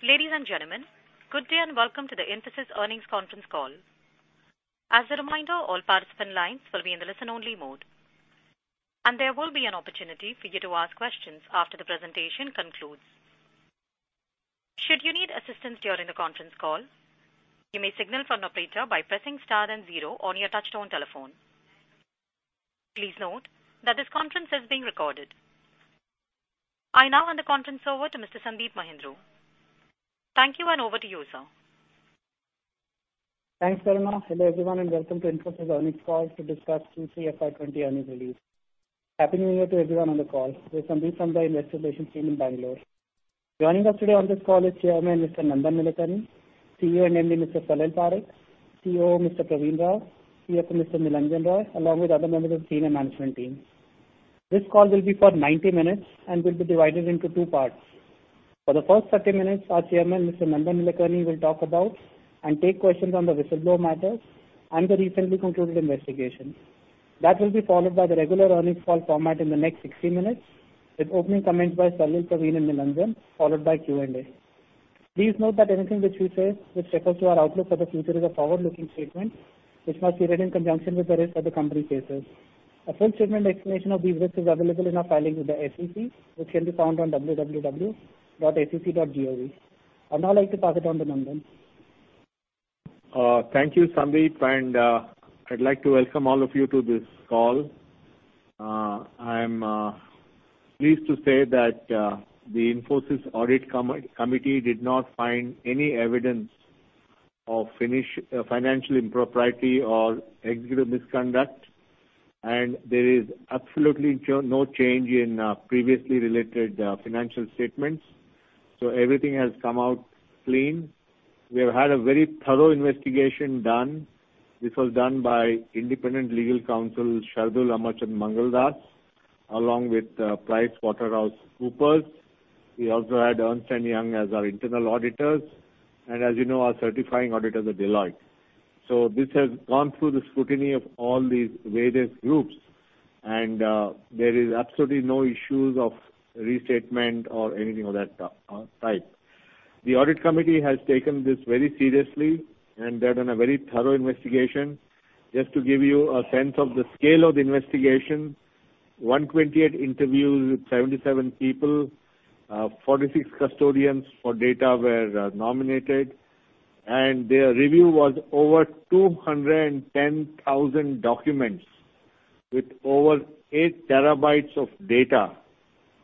Ladies and gentlemen, good day and welcome to the Infosys Earnings Conference Call. As a reminder, all participant lines will be in the listen only mode, and there will be an opportunity for you to ask questions after the presentation concludes. Should you need assistance during the conference call, you may signal for an operator by pressing star and zero on your touch-tone telephone. Please note that this conference is being recorded. I now hand the conference over to Mr. Sandeep Mahindroo. Thank you, and over to you, sir. Thanks, Elena. Hello, everyone, welcome to Infosys earnings call to discuss Q3 FY 2020 earnings release. Happy New Year to everyone on the call. This is Sandeep from the investor relations team in Bangalore. Joining us today on this call is Chairman, Mr. Nandan Nilekani, CEO and MD, Mr. Salil Parekh, COO, Mr. Pravin Rao, CFO, Mr. Nilanjan Roy, along with other members of senior management team. This call will be for 90 minutes and will be divided into two parts. For the first 30 minutes, our Chairman, Mr. Nandan Nilekani, will talk about and take questions on the whistleblower matters and the recently concluded investigation. That will be followed by the regular earnings call format in the next 60 minutes, with opening comments by Salil, Pravin, and Nilanjan, followed by Q&A. Please note that anything which we say which refers to our outlook for the future is a forward-looking statement, which must be read in conjunction with the rest that the company faces. A full statement explanation of these risks is available in our filings with the SEC, which can be found on www.sec.gov. I'd now like to pass it on to Nandan. Thank you, Sandeep. I'd like to welcome all of you to this call. I'm pleased to say that the Infosys Audit Committee did not find any evidence of financial impropriety or executive misconduct. There is absolutely no change in previously related financial statements. Everything has come out clean. We have had a very thorough investigation done. This was done by independent legal counsel, Shardul Amarchand Mangaldas, along with PricewaterhouseCoopers. We also had Ernst & Young as our internal auditors. As you know, our certifying auditors are Deloitte. This has gone through the scrutiny of all these various groups. There is absolutely no issues of restatement or anything of that type. The audit committee has taken this very seriously. They've done a very thorough investigation. Just to give you a sense of the scale of the investigation, 128 interviews with 77 people, 46 custodians for data were nominated. Their review was over 210,000 documents with over eight terabytes of data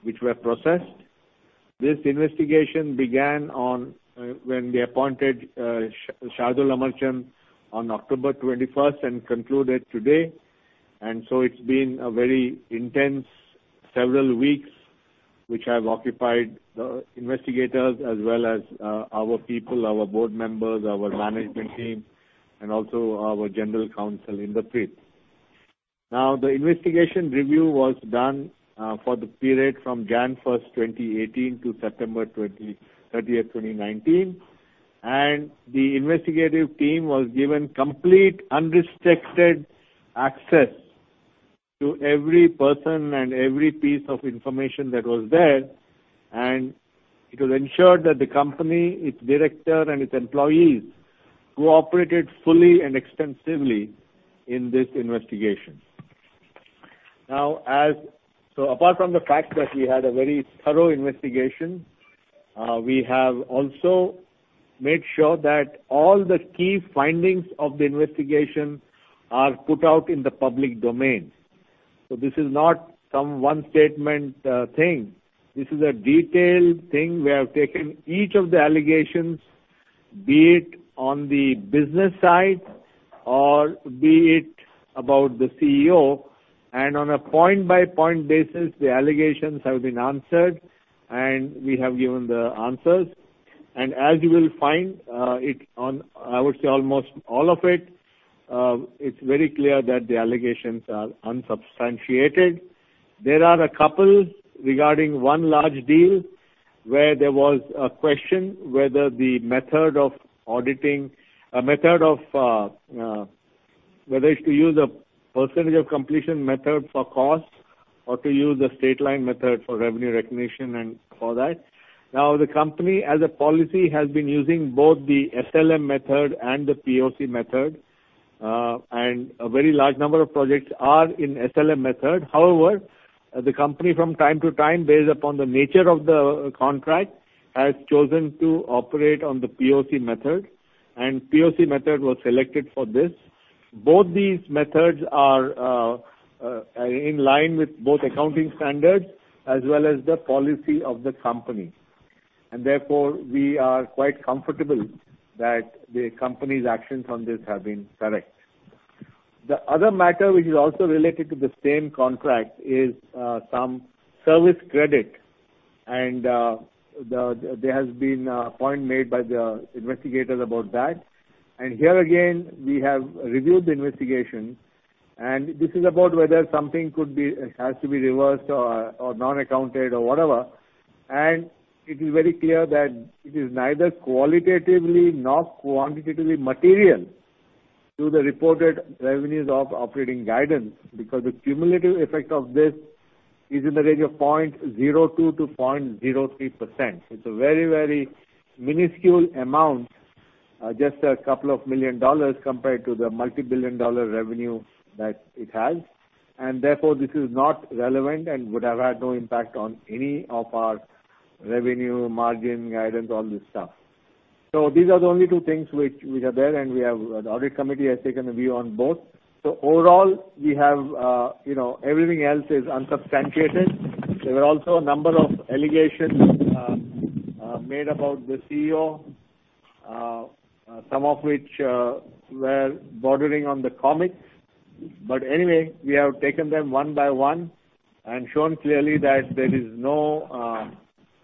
which were processed. This investigation began when we appointed Shardul Amarchand on October 21st and concluded today. It's been a very intense several weeks which have occupied the investigators as well as our people, our board members, our management team, and also our general counsel, Inderpreet. Now, the investigation review was done for the period from January 1st, 2018 to September 30th, 2019. The investigative team was given complete, unrestricted access to every person and every piece of information that was there. It was ensured that the company, its director, and its employees cooperated fully and extensively in this investigation. Apart from the fact that we had a very thorough investigation, we have also made sure that all the key findings of the investigation are put out in the public domain. This is not some one-statement thing. This is a detailed thing. We have taken each of the allegations, be it on the business side or be it about the CEO, and on a point-by-point basis, the allegations have been answered, and we have given the answers. As you will find, I would say almost all of it's very clear that the allegations are unsubstantiated. There are a couple regarding one large deal where there was a question whether it's to use a percentage of completion method for cost or to use a straight line method for revenue recognition and all that. The company, as a policy, has been using both the SLM method and the POC method, and a very large number of projects are in SLM method. However, the company from time to time, based upon the nature of the contract, has chosen to operate on the POC method, and POC method was selected for this. Both these methods are in line with both accounting standards as well as the policy of the company. Therefore, we are quite comfortable that the company's actions on this have been correct. The other matter which is also related to the same contract is some service credit, and there has been a point made by the investigators about that. Here again, we have reviewed the investigation, and this is about whether something has to be reversed or non-accounted or whatever. It is very clear that it is neither qualitatively nor quantitatively material to the reported revenues of operating guidance, because the cumulative effect of this is in the range of 0.02%-0.03%. It's a very, very minuscule amount, just a couple of million dollars compared to the multibillion-dollar revenue that it has. Therefore, this is not relevant and would have had no impact on any of our revenue margin guidance. These are the only two things which are there, and the audit committee has taken a view on both. Overall, everything else is unsubstantiated. There were also a number of allegations made about the CEO, some of which were bordering on the comic. Anyway, we have taken them one by one and shown clearly that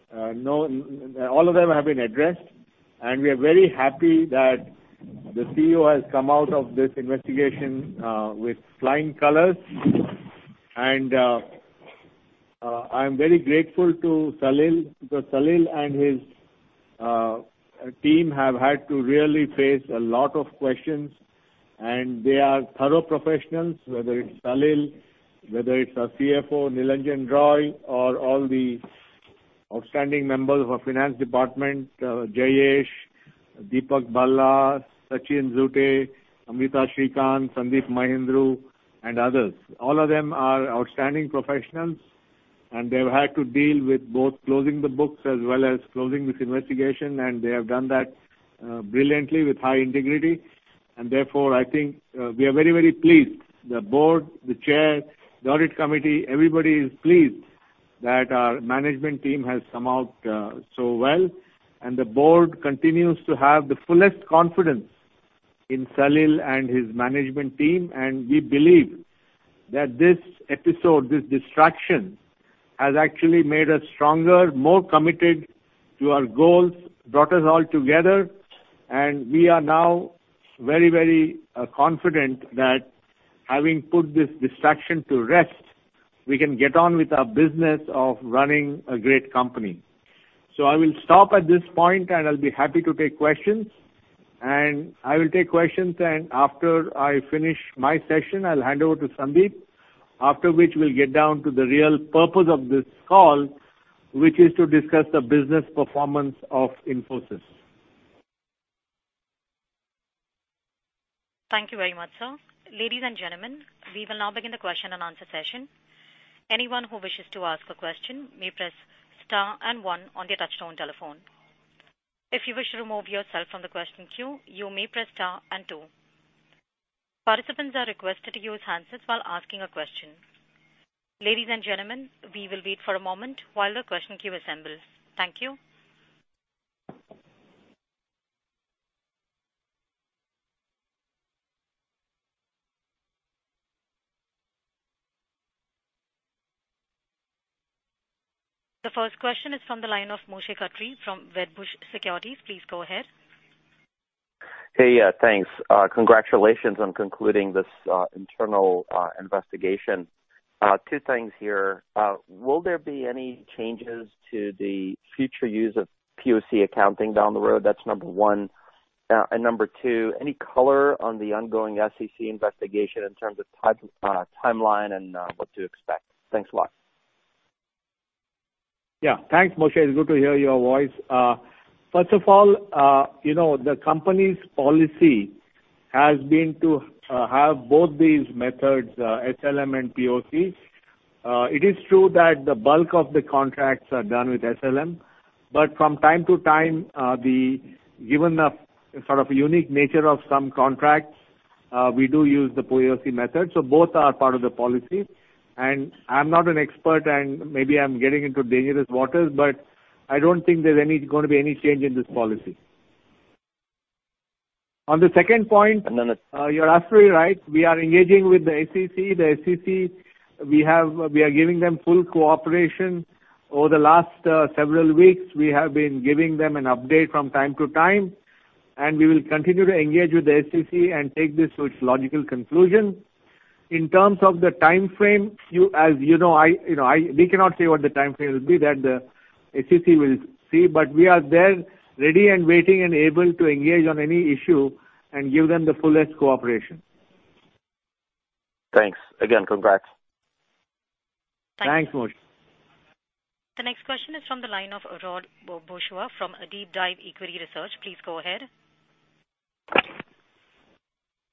all of them have been addressed, and we are very happy that the CEO has come out of this investigation with flying colors. I'm very grateful to Salil, because Salil and his team have had to really face a lot of questions, and they are thorough professionals, whether it's Salil, whether it's our CFO, Nilanjan Roy, or all the outstanding members of our finance department Jayesh, Deepak Bhalla, Sachin Zute, Amrita Srikanth, Sandeep Mahindroo, and others. All of them are outstanding professionals, and they've had to deal with both closing the books as well as closing this investigation, and they have done that brilliantly with high integrity. Therefore, I think we are very, very pleased. The board, the chair, the audit committee, everybody is pleased that our management team has come out so well. The board continues to have the fullest confidence in Salil and his management team. We believe that this episode, this distraction, has actually made us stronger, more committed to our goals, brought us all together. We are now very, very confident that having put this distraction to rest, we can get on with our business of running a great company. I will stop at this point, and I'll be happy to take questions. I will take questions, and after I finish my session, I'll hand over to Sandeep, after which we'll get down to the real purpose of this call, which is to discuss the business performance of Infosys. Thank you very much, sir. Ladies and gentlemen, we will now begin the question-and-answer session. Anyone who wishes to ask a question may press star and one on their touchtone telephone. If you wish to remove yourself from the question queue, you may press star and two. Participants are requested to use handsets while asking a question. Ladies and gentlemen, we will wait for a moment while the question queue assembles. Thank you. The first question is from the line of Moshe Katri from Wedbush Securities. Please go ahead. Hey. Yeah, thanks. Congratulations on concluding this internal investigation. Two things here. Will there be any changes to the future use of POC accounting down the road? That's number one. Number two, any color on the ongoing SEC investigation in terms of timeline and what to expect? Thanks a lot. Yeah. Thanks, Moshe. It's good to hear your voice. First of all, the company's policy has been to have both these methods, SLM and POC. It is true that the bulk of the contracts are done with SLM. From time to time, given the sort of unique nature of some contracts, we do use the POC method. Both are part of the policy. I'm not an expert, and maybe I'm getting into dangerous waters, but I don't think there's going to be any change in this policy. On the second point you're absolutely right. We are engaging with the SEC. The SEC, we are giving them full cooperation. Over the last several weeks, we have been giving them an update from time to time, and we will continue to engage with the SEC and take this to its logical conclusion. In terms of the timeframe, we cannot say what the timeframe will be, that the SEC will see, but we are there ready and waiting and able to engage on any issue and give them the fullest cooperation. Thanks. Again, congrats. Thanks, Moshe. The next question is from the line of Rod Bourgeois from Deep Dive Equity Research. Please go ahead.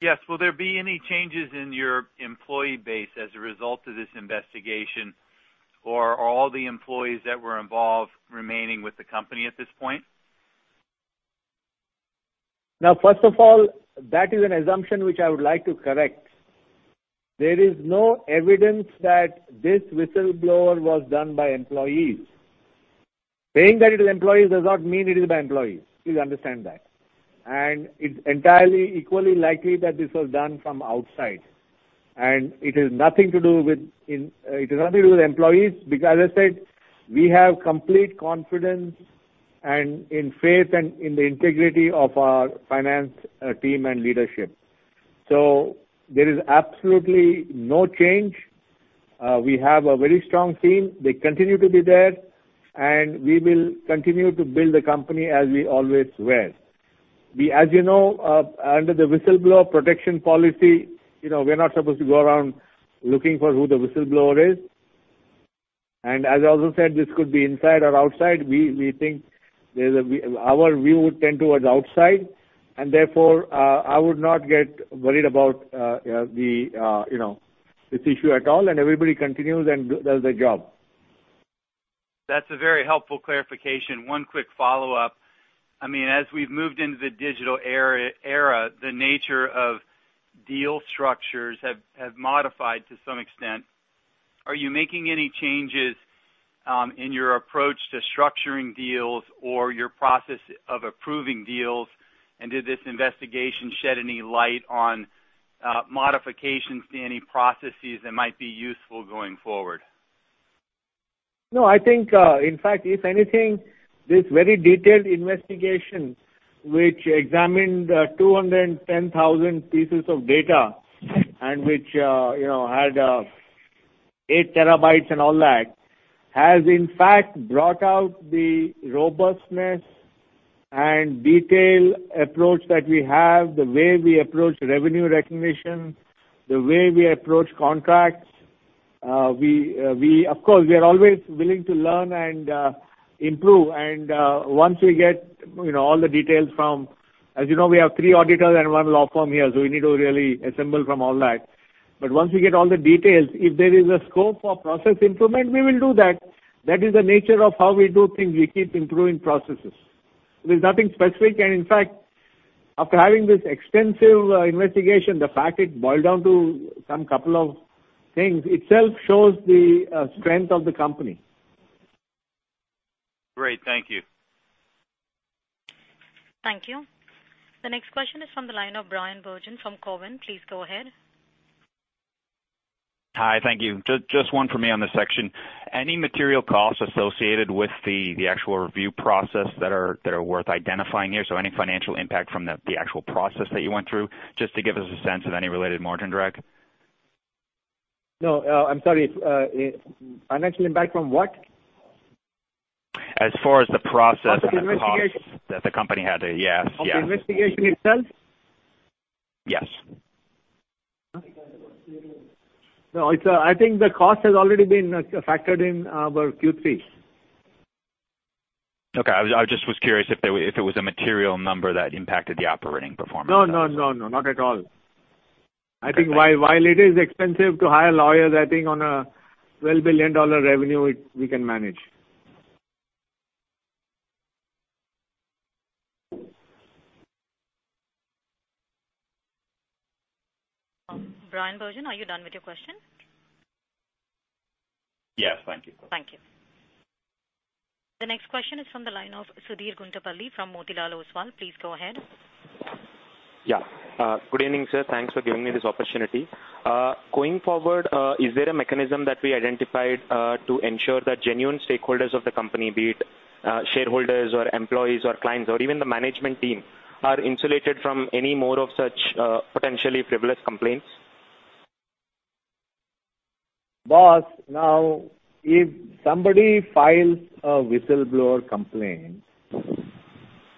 Yes. Will there be any changes in your employee base as a result of this investigation? Are all the employees that were involved remaining with the company at this point? First of all, that is an assumption which I would like to correct. There is no evidence that this whistleblower was done by employees. Saying that it is employees does not mean it is by employees. Please understand that. It's entirely equally likely that this was done from outside. It has nothing to do with employees because, as I said, we have complete confidence and faith in the integrity of our finance team and leadership. We have a very strong team. They continue to be there, and we will continue to build the company as we always were. As you know, under the whistleblower protection policy, we're not supposed to go around looking for who the whistleblower is. As I also said, this could be inside or outside. Our view would tend towards outside, and therefore, I would not get worried about this issue at all, and everybody continues and does their job. That's a very helpful clarification. One quick follow-up. As we've moved into the digital era, the nature of deal structures have modified to some extent. Are you making any changes in your approach to structuring deals or your process of approving deals? Did this investigation shed any light on modifications to any processes that might be useful going forward? No. I think, in fact, if anything, this very detailed investigation, which examined 210,000 pieces of data and which had eight terabytes and all that, has in fact brought out the robustness and detailed approach that we have, the way we approach revenue recognition, the way we approach contracts. Of course, we are always willing to learn and improve. Once we get all the details from, as you know, we have three auditors and one law firm here, so we need to really assemble from all that. Once we get all the details, if there is a scope for process improvement, we will do that. That is the nature of how we do things. We keep improving processes. There's nothing specific. In fact, after having this extensive investigation, the fact it boiled down to some couple of things itself shows the strength of the company. Great. Thank you. Thank you. The next question is from the line of Bryan Bergin from Cowen. Please go ahead. Hi. Thank you. Just one for me on this section. Any material costs associated with the actual review process that are worth identifying here? Any financial impact from the actual process that you went through, just to give us a sense of any related margin drag. No, I'm sorry. Financial impact from what? As far as the process and the cost- Of the investigation? That the company had to, yes. Of the investigation itself? Yes. No, I think the cost has already been factored in our Q3. Okay. I just was curious if it was a material number that impacted the operating performance. No. Not at all. I think while it is expensive to hire lawyers, I think on a $12 billion revenue, we can manage. Bryan Bergin, are you done with your question? Yes. Thank you. Thank you. The next question is from the line of Sudheer Guntupalli from Motilal Oswal. Please go ahead. Yeah. Good evening, sir. Thanks for giving me this opportunity. Going forward, is there a mechanism that we identified to ensure that genuine stakeholders of the company, be it shareholders or employees or clients or even the management team, are insulated from any more of such potentially frivolous complaints? Boss, now, if somebody files a whistleblower complaint,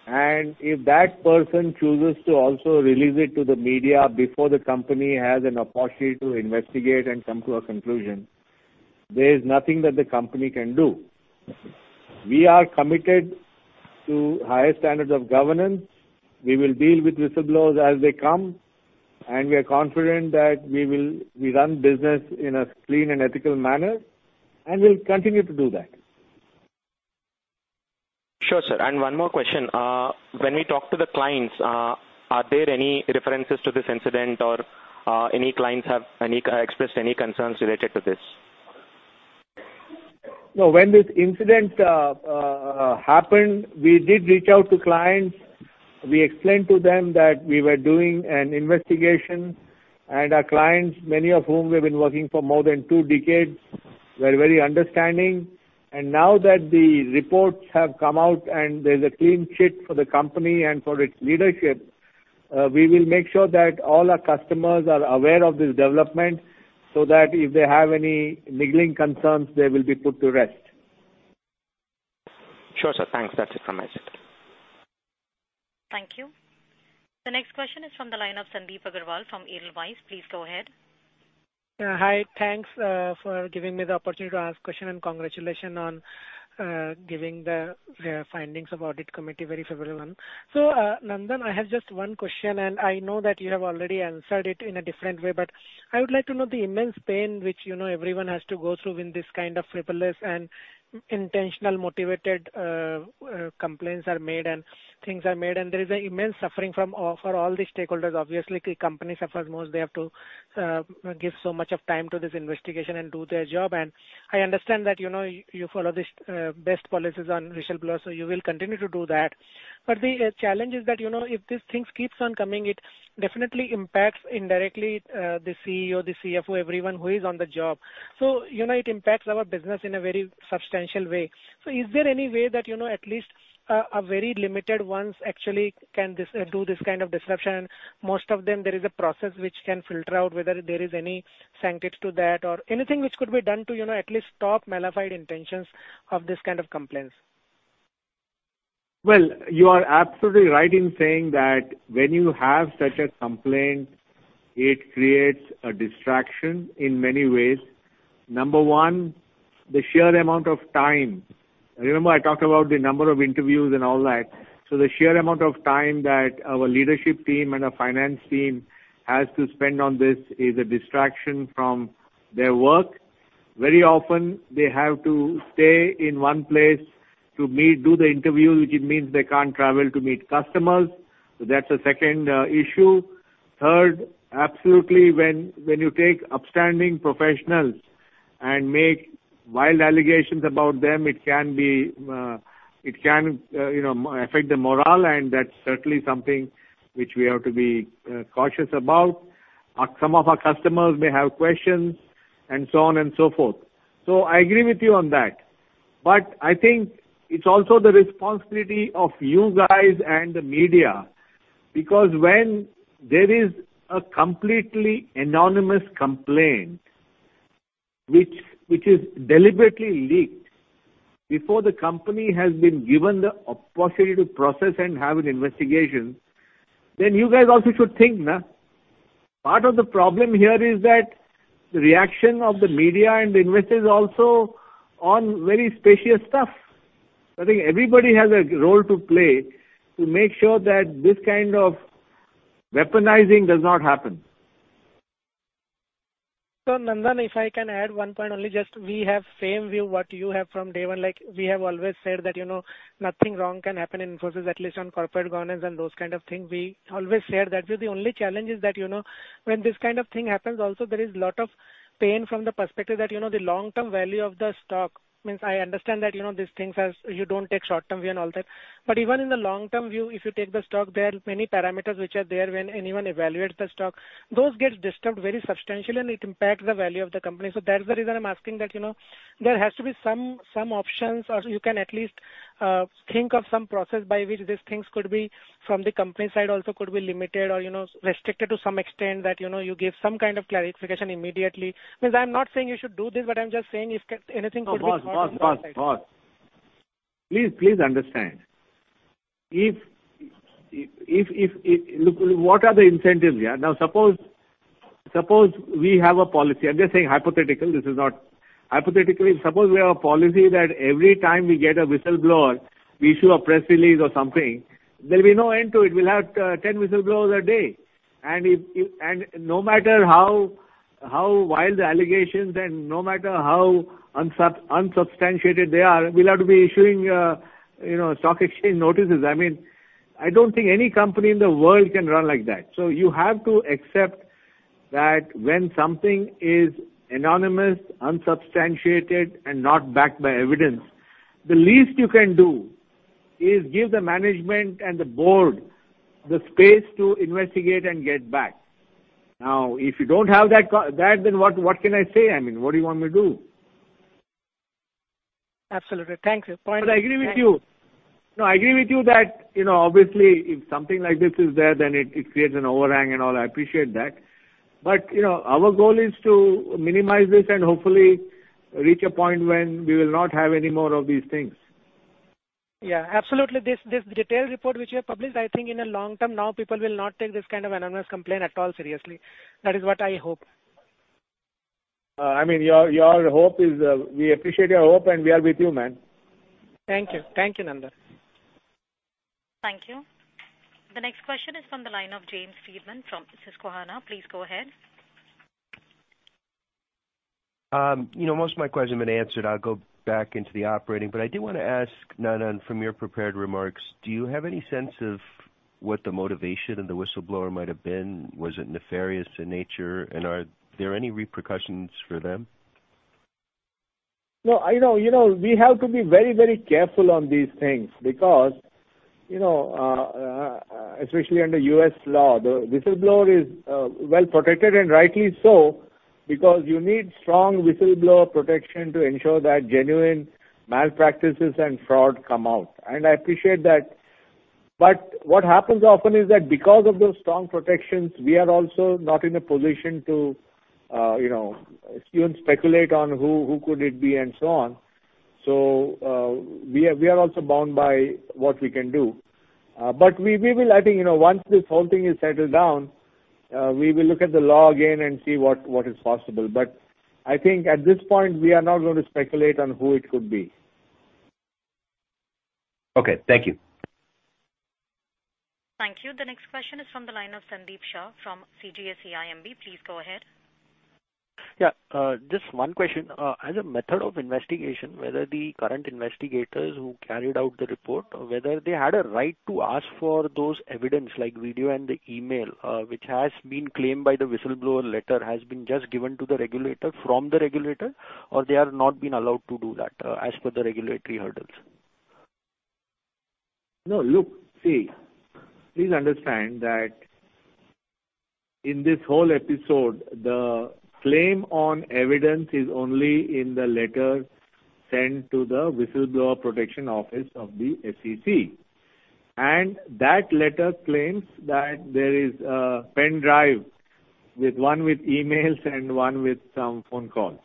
and if that person chooses to also release it to the media before the company has an opportunity to investigate and come to a conclusion, there is nothing that the company can do. We are committed to higher standards of governance. We will deal with whistleblowers as they come, and we are confident that we run business in a clean and ethical manner, and we'll continue to do that. Sure, sir. One more question. When we talk to the clients, are there any references to this incident or any clients have expressed any concerns related to this? No. When this incident happened, we did reach out to clients. We explained to them that we were doing an investigation, and our clients, many of whom we've been working for more than two decades, were very understanding. Now that the reports have come out and there's a clean sheet for the company and for its leadership, we will make sure that all our customers are aware of this development so that if they have any niggling concerns, they will be put to rest. Sure, sir. Thanks. That's it from my side. Thank you. The next question is from the line of Sandip Agarwal from Edelweiss. Please go ahead. Hi. Thanks for giving me the opportunity to ask question, and congratulations on giving the findings of audit committee very favorably. Nandan, I have just one question, and I know that you have already answered it in a different way, but I would like to know the immense pain which everyone has to go through when this kind of frivolous and intentional motivated complaints are made and things are made, and there is immense suffering for all the stakeholders. Obviously, the company suffers most. They have to give so much of time to this investigation and do their job. I understand that you follow these best policies on whistleblowers, so you will continue to do that. The challenge is that if these things keep on coming, it definitely impacts indirectly the CEO, the CFO, everyone who is on the job. It impacts our business in a very substantial way. Is there any way that at least a very limited ones actually can do this kind of disruption? Most of them, there is a process which can filter out whether there is any substance to that or anything which could be done to at least stop mala fide intentions of this kind of complaints. Well, you are absolutely right in saying that when you have such a complaint, it creates a distraction in many ways. Number one, the sheer amount of time. Remember I talked about the number of interviews and all that. The sheer amount of time that our leadership team and our finance team has to spend on this is a distraction from their work. Very often they have to stay in one place to do the interview, which means they can't travel to meet customers. That's the second issue. Third, absolutely, when you take upstanding professionals and make wild allegations about them, it can affect the morale and that's certainly something which we have to be cautious about. Some of our customers may have questions and so on and so forth. I agree with you on that. I think it's also the responsibility of you guys and the media, because when there is a completely anonymous complaint which is deliberately leaked before the company has been given the opportunity to process and have an investigation, then you guys also should think. Part of the problem here is that the reaction of the media and the investors also on very specious stuff. I think everybody has a role to play to make sure that this kind of weaponizing does not happen. Nandan, if I can add one point only, just we have same view what you have from day one. We have always said that nothing wrong can happen in Infosys, at least on corporate governance and those kind of things. We always said that. The only challenge is that when this kind of thing happens also there is a lot of pain from the perspective that the long-term value of the stock. I understand that these things as you don't take short term view and all that. Even in the long-term view, if you take the stock, there are many parameters which are there when anyone evaluates the stock. Those get disturbed very substantially and it impacts the value of the company. That's the reason I'm asking that there has to be some options, or you can at least think of some process by which these things could be, from the company side also could be limited or restricted to some extent, that you give some kind of clarification immediately. I'm not saying you should do this, but I'm just saying. No, pause. Please understand. Look, what are the incentives here? Suppose we have a policy. I'm just saying hypothetical. Hypothetically, suppose we have a policy that every time we get a whistleblower, we issue a press release or something, there'll be no end to it. We'll have 10 whistleblowers a day. No matter how wild the allegations and no matter how unsubstantiated they are, we'll have to be issuing stock exchange notices. I don't think any company in the world can run like that. You have to accept that when something is anonymous, unsubstantiated, and not backed by evidence, the least you can do is give the management and the board the space to investigate and get back. If you don't have that, what can I say? What do you want me to do? Absolutely. Thank you. I agree with you. No, I agree with you that, obviously if something like this is there, then it creates an overhang and all. I appreciate that. Our goal is to minimize this and hopefully reach a point when we will not have any more of these things. Absolutely. This detailed report which you have published, I think in a long term now, people will not take this kind of anonymous complaint at all seriously. That is what I hope. We appreciate your hope, and we are with you, man. Thank you, Nandan. Thank you. The next question is from the line of James Friedman from Susquehanna. Please go ahead. Most of my question has been answered. I'll go back into the operating. I do want to ask, Nandan, from your prepared remarks, do you have any sense of what the motivation of the whistleblower might have been? Was it nefarious in nature? Are there any repercussions for them? We have to be very careful on these things because, especially under U.S. law, the whistleblower is well protected, and rightly so, because you need strong whistleblower protection to ensure that genuine malpractices and fraud come out, and I appreciate that. What happens often is that because of those strong protections, we are also not in a position to even speculate on who could it be and so on. We are also bound by what we can do. I think once this whole thing is settled down, we will look at the law again and see what is possible. I think at this point, we are not going to speculate on who it could be. Okay. Thank you. Thank you. The next question is from the line of Sandeep Shah from CGS-CIMB. Please go ahead. Yeah. Just one question. As a method of investigation, whether the current investigators who carried out the report, whether they had a right to ask for those evidence like video and the email, which has been claimed by the whistleblower letter, has been just given to the regulator from the regulator, or they are not being allowed to do that as per the regulatory hurdles? No. Look, see, please understand that in this whole episode, the claim on evidence is only in the letter sent to the Office of the Whistleblower of the SEC. That letter claims that there is a pen drive, one with emails and one with some phone calls.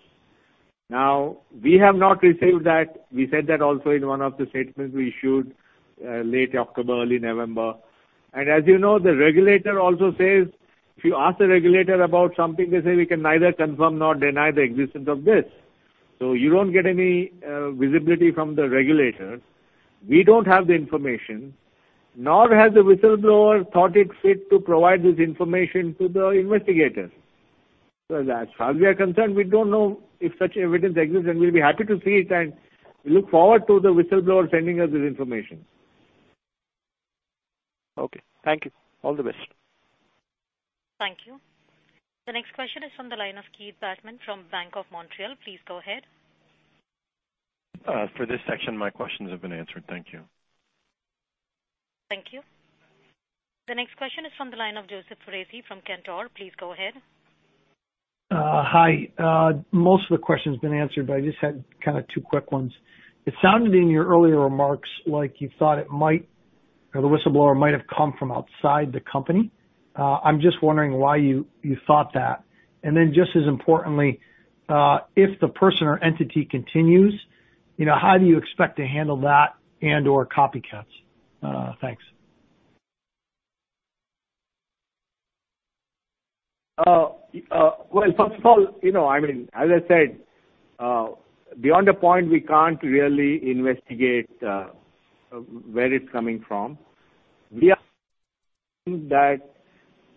We have not received that. We said that also in one of the statements we issued late October, early November. As you know, the regulator also says, if you ask the regulator about something, they say, "We can neither confirm nor deny the existence of this." You don't get any visibility from the regulators. We don't have the information, nor has the whistleblower thought it fit to provide this information to the investigators. As far as we are concerned, we don't know if such evidence exists, and we'll be happy to see it and look forward to the whistleblower sending us this information. Okay. Thank you. All the best. Thank you. The next question is from the line of Keith Bachman from BMO Capital Markets. Please go ahead. For this section, my questions have been answered. Thank you. Thank you. The next question is from the line of Joseph Foresi from Cantor. Please go ahead. Hi. Most of the questions have been answered, but I just had two quick ones. It sounded in your earlier remarks like you thought the whistleblower might have come from outside the company. I'm just wondering why you thought that. Just as importantly, if the person or entity continues, how do you expect to handle that and or copycats? Thanks. Well, first of all, as I said, beyond a point, we can't really investigate where it's coming from. We are saying that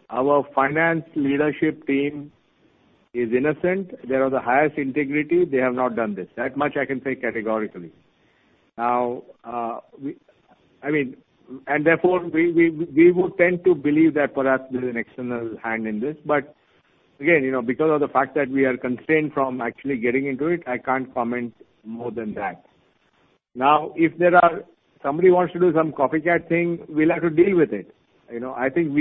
our finance leadership team is innocent. They are of the highest integrity. They have not done this. That much I can say categorically. Therefore, we would tend to believe that perhaps there's an external hand in this. Again, because of the fact that we are constrained from actually getting into it, I can't comment more than that. Now, if somebody wants to do some copycat thing, we'll have to deal with it. I think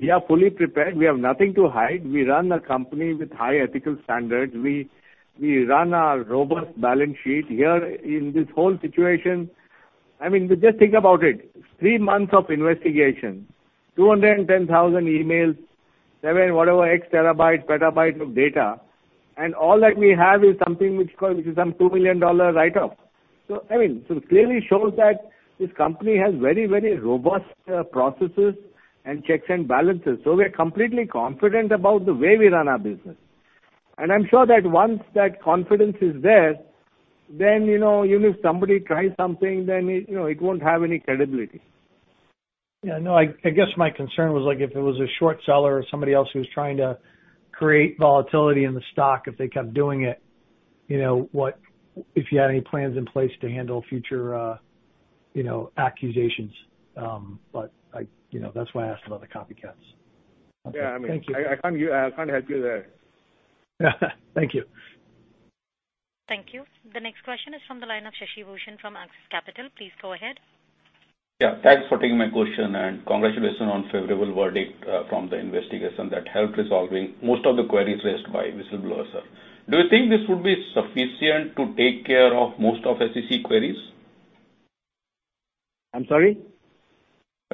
we are fully prepared. We have nothing to hide. We run a company with high ethical standards. We run a robust balance sheet here in this whole situation. Just think about it. Three months of investigation, 210,000 emails, seven whatever X terabytes, petabytes of data, all that we have is something which is some $2 million write-off. It clearly shows that this company has very robust processes and checks and balances. We're completely confident about the way we run our business. I'm sure that once that confidence is there, even if somebody tries something, then it won't have any credibility. Yeah. No, I guess my concern was if it was a short seller or somebody else who was trying to create volatility in the stock, if they kept doing it, if you had any plans in place to handle future accusations. That's why I asked about the copycats. Yeah. I can't help you there. Thank you. Thank you. The next question is from the line of Shashi Bhushan from Axis Capital. Please go ahead. Yeah. Thanks for taking my question, and congratulations on favorable verdict from the investigation that helped resolving most of the queries raised by whistleblower, sir. Do you think this would be sufficient to take care of most of SEC queries? I'm sorry?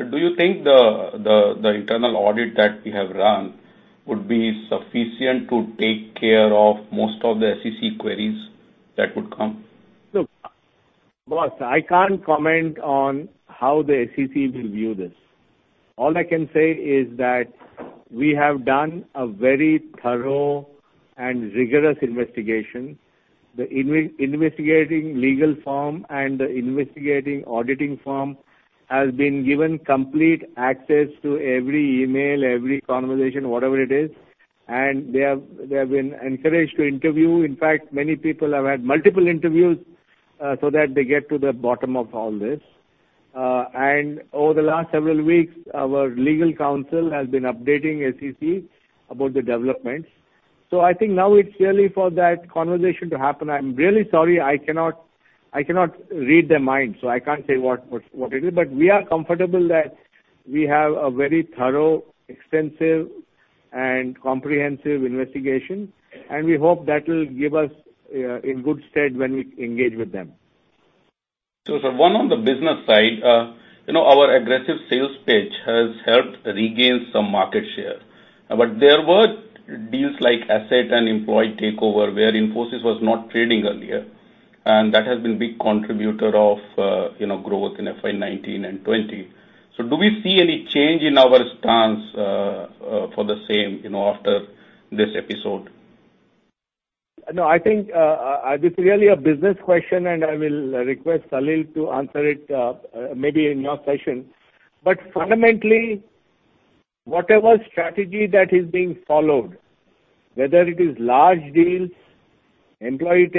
Do you think the internal audit that you have run would be sufficient to take care of most of the SEC queries that would come? Look, boss, I can't comment on how the SEC will view this. All I can say is that we have done a very thorough and rigorous investigation. The investigating legal firm and the investigating auditing firm has been given complete access to every email, every conversation, whatever it is, and they have been encouraged to interview. Many people have had multiple interviews, so that they get to the bottom of all this. Over the last several weeks, our legal counsel has been updating SEC about the developments. I think now it's really for that conversation to happen. I'm really sorry, I cannot read their minds, so I can't say what it is. We are comfortable that we have a very thorough, extensive and comprehensive investigation, and we hope that will give us in good stead when we engage with them. Sir, one on the business side. Our aggressive sales pitch has helped regain some market share. There were deals like asset and employee takeover where Infosys was not trading earlier, and that has been big contributor of growth in FY 2019 and 2020. Do we see any change in our stance for the same after this episode? I think this is really a business question, and I will request Salil to answer it maybe in your session. Fundamentally, whatever strategy that is being followed, whether it is large deals, employee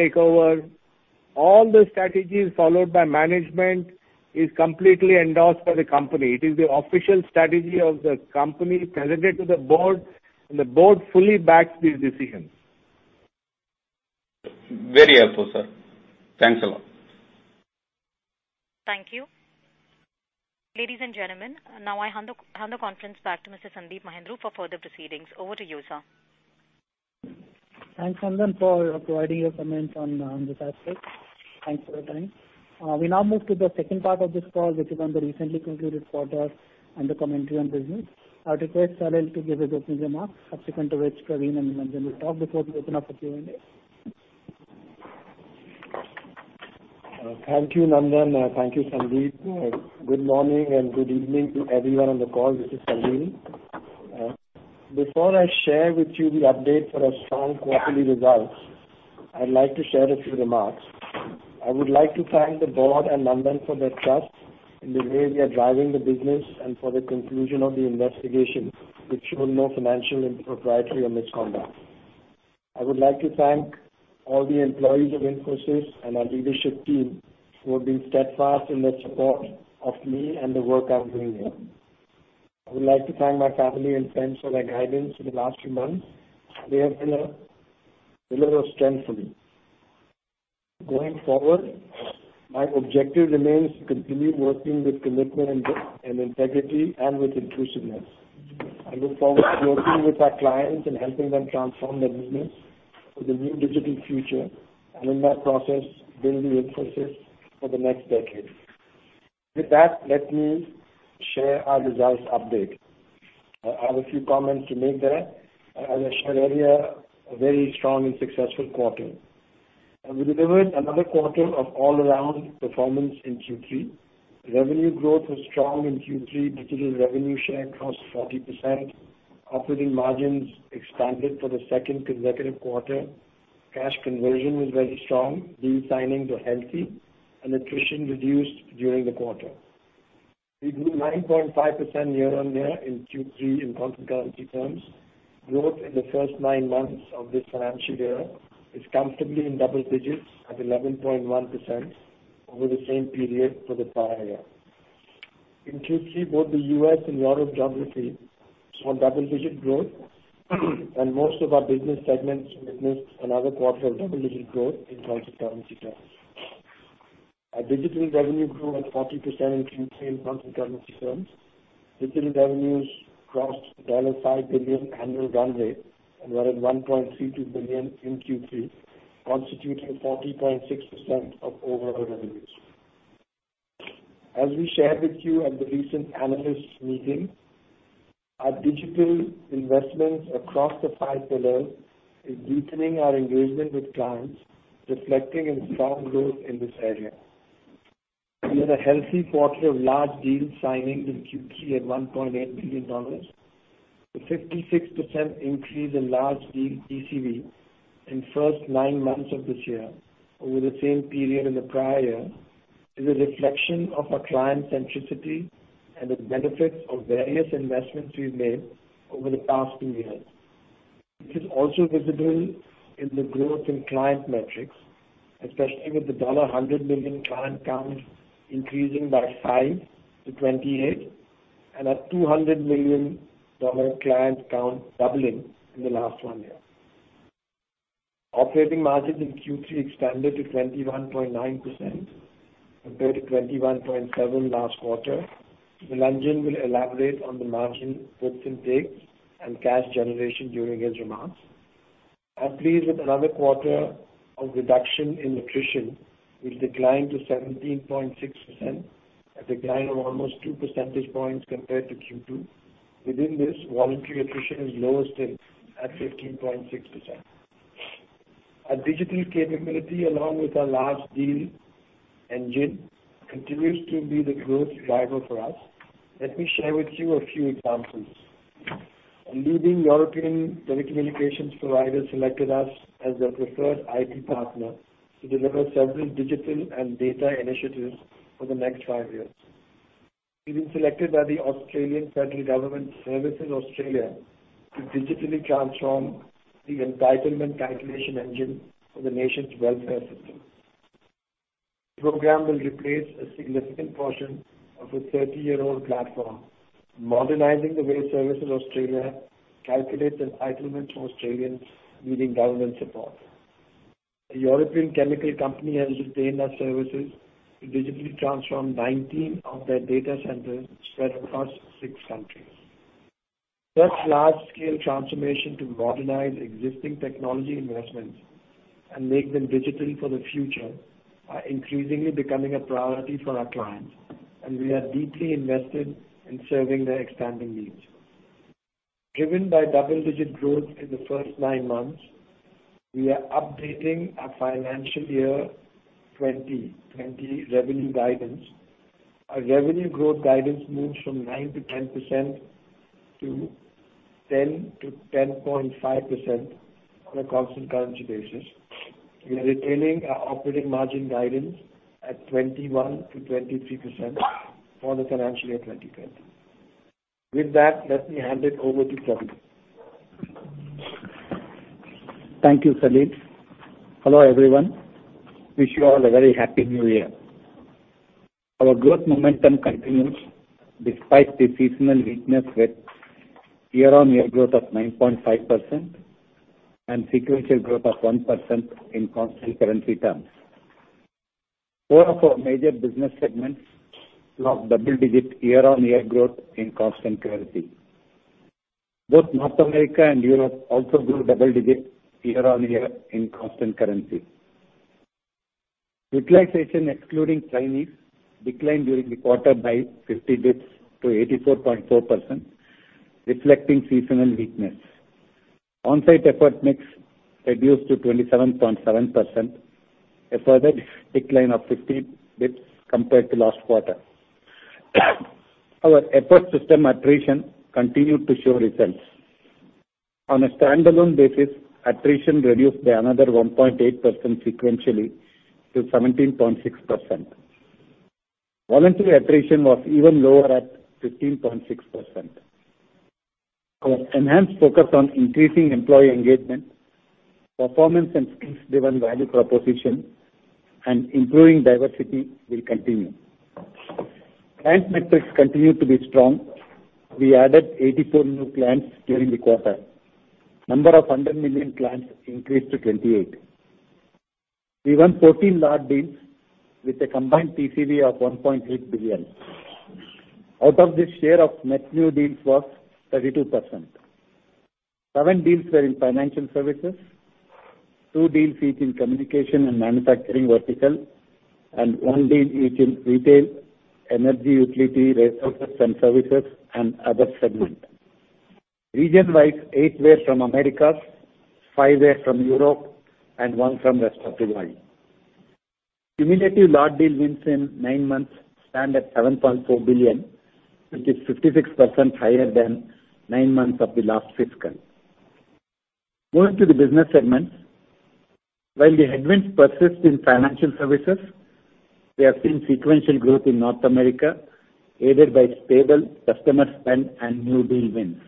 takeover, all the strategies followed by management is completely endorsed by the company. It is the official strategy of the company presented to the board, and the board fully backs these decisions. Very helpful, sir. Thanks a lot. Thank you. Ladies and gentlemen, now I hand the conference back to Mr. Sandeep Mahindroo for further proceedings. Over to you, sir. Thanks, Nandan, for providing your comments on this aspect. Thanks for your time. We now move to the second part of this call, which is on the recently concluded quarters and the commentary on business. I would request Salil to give his opening remarks, subsequent to which Pravin and Nandan will talk before we open up the Q&A. Thank you, Nandan. Thank you, Sandeep. Good morning and good evening to everyone on the call. This is Salil. Before I share with you the update for our strong quarterly results, I'd like to share a few remarks. I would like to thank the board and Nandan for their trust in the way we are driving the business and for the conclusion of the investigation, which showed no financial impropriety or misconduct. I would like to thank all the employees of Infosys and our leadership team for being steadfast in their support of me and the work I'm doing here. I would like to thank my family and friends for their guidance in the last few months. They have been a pillar of strength for me. Going forward, my objective remains to continue working with commitment and integrity and with inclusiveness. I look forward to working with our clients and helping them transform their business for the new digital future, and in that process, building Infosys for the next decade. With that, let me share our results update. I have a few comments to make there. As I shared earlier, a very strong and successful quarter. We delivered another quarter of all-around performance in Q3. Revenue growth was strong in Q3. Digital revenue share crossed 40%. Operating margins expanded for the second consecutive quarter. Cash conversion was very strong. Deal signings were healthy. Attrition reduced during the quarter. We grew 9.5% year-on-year in Q3 in constant currency terms. Growth in the first nine months of this financial year is comfortably in double digits at 11.1% over the same period for the prior year. In Q3, both the U.S. and Europe geography saw double-digit growth. Most of our business segments witnessed another quarter of double-digit growth in constant currency terms. Our digital revenue grew at 40% in Q3 in constant currency terms. Digital revenues crossed the $5 billion annual run rate and were at $1.32 billion in Q3, constituting 40.6% of overall revenues. As we shared with you at the recent analysts meeting, our digital investments across the five pillars is deepening our engagement with clients, reflecting in strong growth in this area. We had a healthy quarter of large deal signings in Q3 at $1.8 billion. The 56% increase in large deal TCV in the first nine months of this year over the same period in the prior year is a reflection of our client centricity and the benefits of various investments we've made over the past two years. This is also visible in the growth in client metrics, especially with the $100 million client count increasing by five to 28, and our $200 million client count doubling in the last one year. Operating margin in Q3 expanded to 21.9% compared to 21.7% last quarter. Nandan will elaborate on the margin puts and takes and cash generation during his remarks. I'm pleased with another quarter of reduction in attrition, which declined to 17.6%, a decline of almost two percentage points compared to Q2. Within this, voluntary attrition is lowest in at 15.6%. Our digital capability, along with our large deal engine, continues to be the growth driver for us. Let me share with you a few examples. A leading European telecommunications provider selected us as their preferred IT partner to deliver several digital and data initiatives for the next five years. We've been selected by Services Australia to digitally transform the entitlement calculation engine for the nation's welfare system. The program will replace a significant portion of a 30-year-old platform, modernizing the way Services Australia calculates entitlements for Australians needing government support. A European chemical company has retained our services to digitally transform 19 of their data centers spread across six countries. Such large-scale transformation to modernize existing technology investments and make them digital for the future are increasingly becoming a priority for our clients, and we are deeply invested in serving their expanding needs. Driven by double-digit growth in the first nine months, we are updating our FY 2020 revenue guidance. Our revenue growth guidance moves from 9%-10% to 10%-10.5% on a constant currency basis. We are retaining our operating margin guidance at 21%-23% for the financial year 2020. With that, let me hand it over to Pravin. Thank you, Salil. Hello, everyone. Wish you all a very happy new year. Our growth momentum continues despite the seasonal weakness with year-on-year growth of 9.5% and sequential growth of 1% in constant currency terms. Four of our major business segments saw double-digit year-on-year growth in constant currency. Both North America and Europe also grew double digits year-on-year in constant currency. Utilization, excluding trainees, declined during the quarter by 50 basis points to 84.4%, reflecting seasonal weakness. Onsite effort mix reduced to 27.7%, a further decline of 50 basis points compared to last quarter. Our efforts to stem attrition continued to show results. On a standalone basis, attrition reduced by another 1.8% sequentially to 17.6%. Voluntary attrition was even lower at 15.6%. Our enhanced focus on increasing employee engagement, performance and skills-driven value proposition, and improving diversity will continue. Client metrics continue to be strong. We added 84 new clients during the quarter. Number of 100 million clients increased to 28. We won 14 large deals with a combined TCV of $1.8 billion. Out of this share of net new deals was 32%. seven deals were in Financial Services, two deals each in Communication and Manufacturing vertical, and one deal each in Retail, Energy Utility, Resources and Services, and other segment. Region-wise, eight were from Americas, five were from Europe, and one from rest of the world. Cumulative large deal wins in nine months stand at $7.4 billion, which is 56% higher than nine months of the last fiscal. Moving to the business segments. While the headwinds persist in Financial Services, we have seen sequential growth in North America, aided by stable customer spend and new deal wins.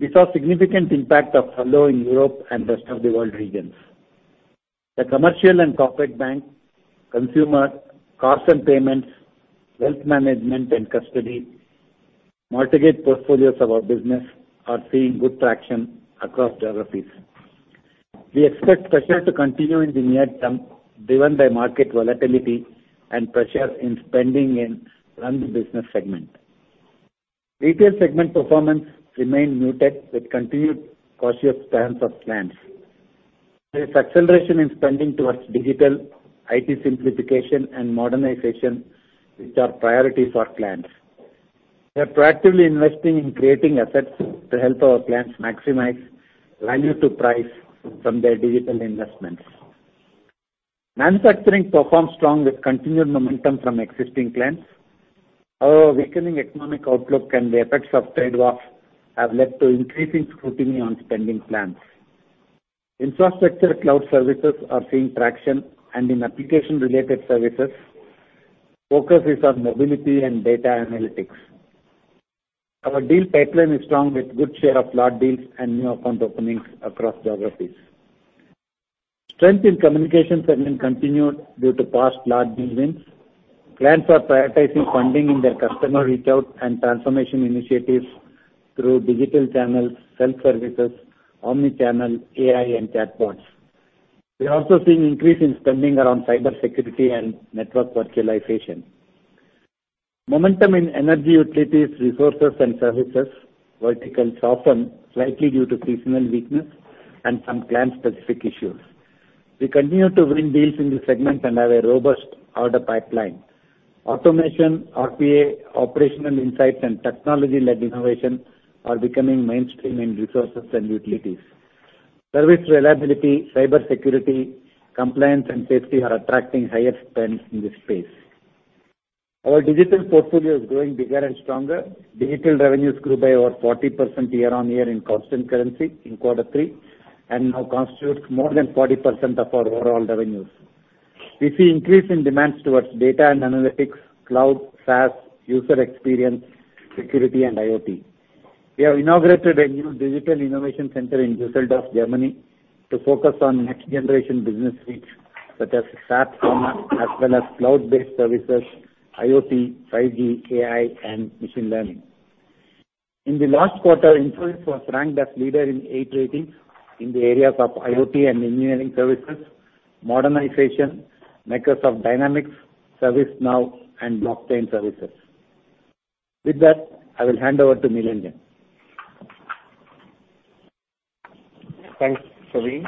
We saw significant impact of furlough in Europe and rest of the world regions. The commercial and corporate bank, consumer, cards and payments, wealth management and custody, mortgage portfolios of our business are seeing good traction across geographies. We expect pressure to continue in the near term, driven by market volatility and pressure in spending in run the business segment. Retail segment performance remained muted with continued cautious stance of clients. There is acceleration in spending towards digital, IT simplification and modernization, which are priorities for clients. We are proactively investing in creating assets to help our clients maximize value to price from their digital investments. Manufacturing performed strong with continued momentum from existing clients. However, weakening economic outlook and the effects of trade wars have led to increasing scrutiny on spending plans. Infrastructure cloud services are seeing traction and in application-related services, focus is on mobility and data analytics. Our deal pipeline is strong with good share of large deals and new account openings across geographies. Strength in communication segment continued due to past large deal wins. Plans are prioritizing funding in their customer reach-out and transformation initiatives through digital channels, self-services, omni-channel, AI, and chatbots. We are also seeing increase in spending around cybersecurity and network virtualization. Momentum in energy utilities, resources, and services vertical softened slightly due to seasonal weakness and some client-specific issues. We continue to win deals in this segment and have a robust order pipeline. Automation, RPA, operational insights, and technology-led innovation are becoming mainstream in resources and utilities. Service reliability, cybersecurity, compliance, and safety are attracting higher spend in this space. Our digital portfolio is growing bigger and stronger. Digital revenues grew by over 40% year-on-year in constant currency in quarter three and now constitutes more than 40% of our overall revenues. We see increase in demands towards data and analytics, cloud, SaaS, user experience, security, and IoT. We have inaugurated a new digital innovation center in Dusseldorf, Germany, to focus on next-generation business needs such as SaaS, as well as cloud-based services, IoT, 5G, AI, and machine learning. In the last quarter, Infosys was ranked as leader in eight ratings in the areas of IoT and engineering services, modernization, Microsoft Dynamics, ServiceNow, and blockchain services. With that, I will hand over to Nilanjan. Thanks, Sandeep.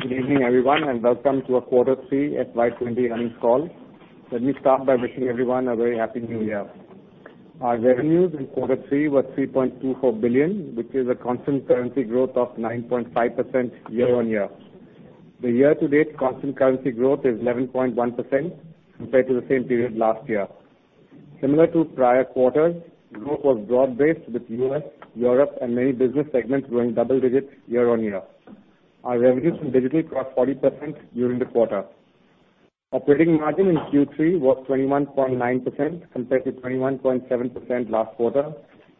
Good evening, everyone, and welcome to our quarter three FY 2020 earnings call. Let me start by wishing everyone a very happy new year. Our revenues in quarter three were $3.24 billion, which is a constant currency growth of 9.5% year-on-year. The year-to-date constant currency growth is 11.1% compared to the same period last year. Similar to prior quarters, growth was broad-based with U.S., Europe, and many business segments growing double digits year-on-year. Our revenues from digital crossed 40% during the quarter. Operating margin in Q3 was 21.9% compared to 21.7% last quarter,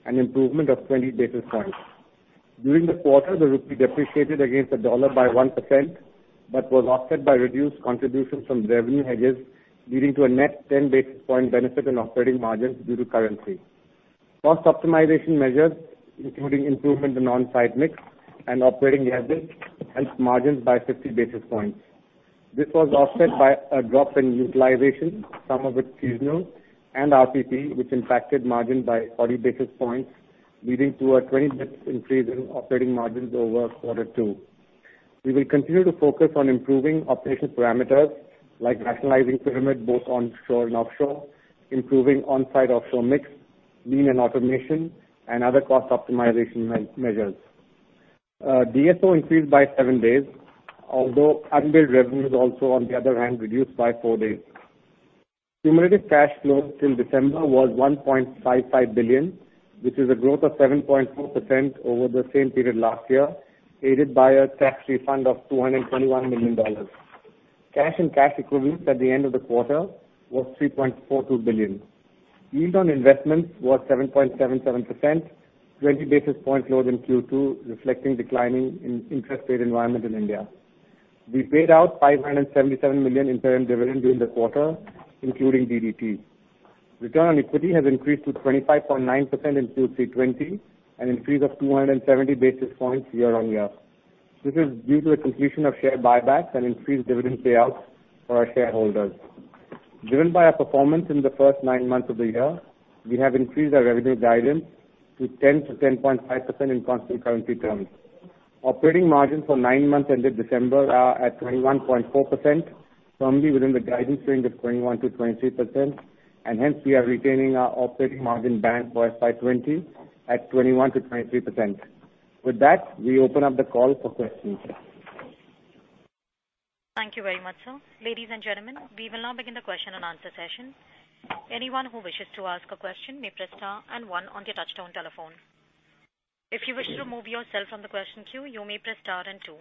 an improvement of 20 basis points. During the quarter, the rupee depreciated against the dollar by 1%, but was offset by reduced contributions from revenue hedges, leading to a net 10 basis point benefit on operating margins due to currency. Cost optimization measures, including improvement in on-site mix and operating leases, helped margins by 50 basis points. This was offset by a drop in utilization, some of it seasonal, and RTP, which impacted margin by 40 basis points, leading to a 20 basis increase in operating margins over Q2. We will continue to focus on improving operational parameters, like rationalizing pyramid both onshore and offshore, improving on-site offshore mix, lean and automation, and other cost optimization measures. DSO increased by seven days, although unbilled revenues also, on the other hand, reduced by four days. Cumulative cash flow till December was $1.55 billion, which is a growth of 7.4% over the same period last year, aided by a tax refund of $221 million. Cash and cash equivalents at the end of the quarter was $3.42 billion. Yield on investments was 7.77%, 20 basis points lower than Q2, reflecting declining interest rate environment in India. We paid out $577 million interim dividend during the quarter, including DDT. Return on equity has increased to 25.9% in Q3 2020, an increase of 270 basis points year-on-year. This is due to a completion of share buybacks and increased dividend payouts for our shareholders. Driven by our performance in the first nine months of the year, we have increased our revenue guidance to 10%-10.5% in constant currency terms. Operating margins for nine months ended December are at 21.4%, firmly within the guidance range of 21%-23%. Hence, we are retaining our operating margin band for FY 2020 at 21%-23%. With that, we open up the call for questions. Thank you very much, sir. Ladies and gentlemen, we will now begin the question-and-answer session. Anyone who wishes to ask a question may press star and one on their touch-tone telephone. If you wish to remove yourself from the question queue, you may press star and two.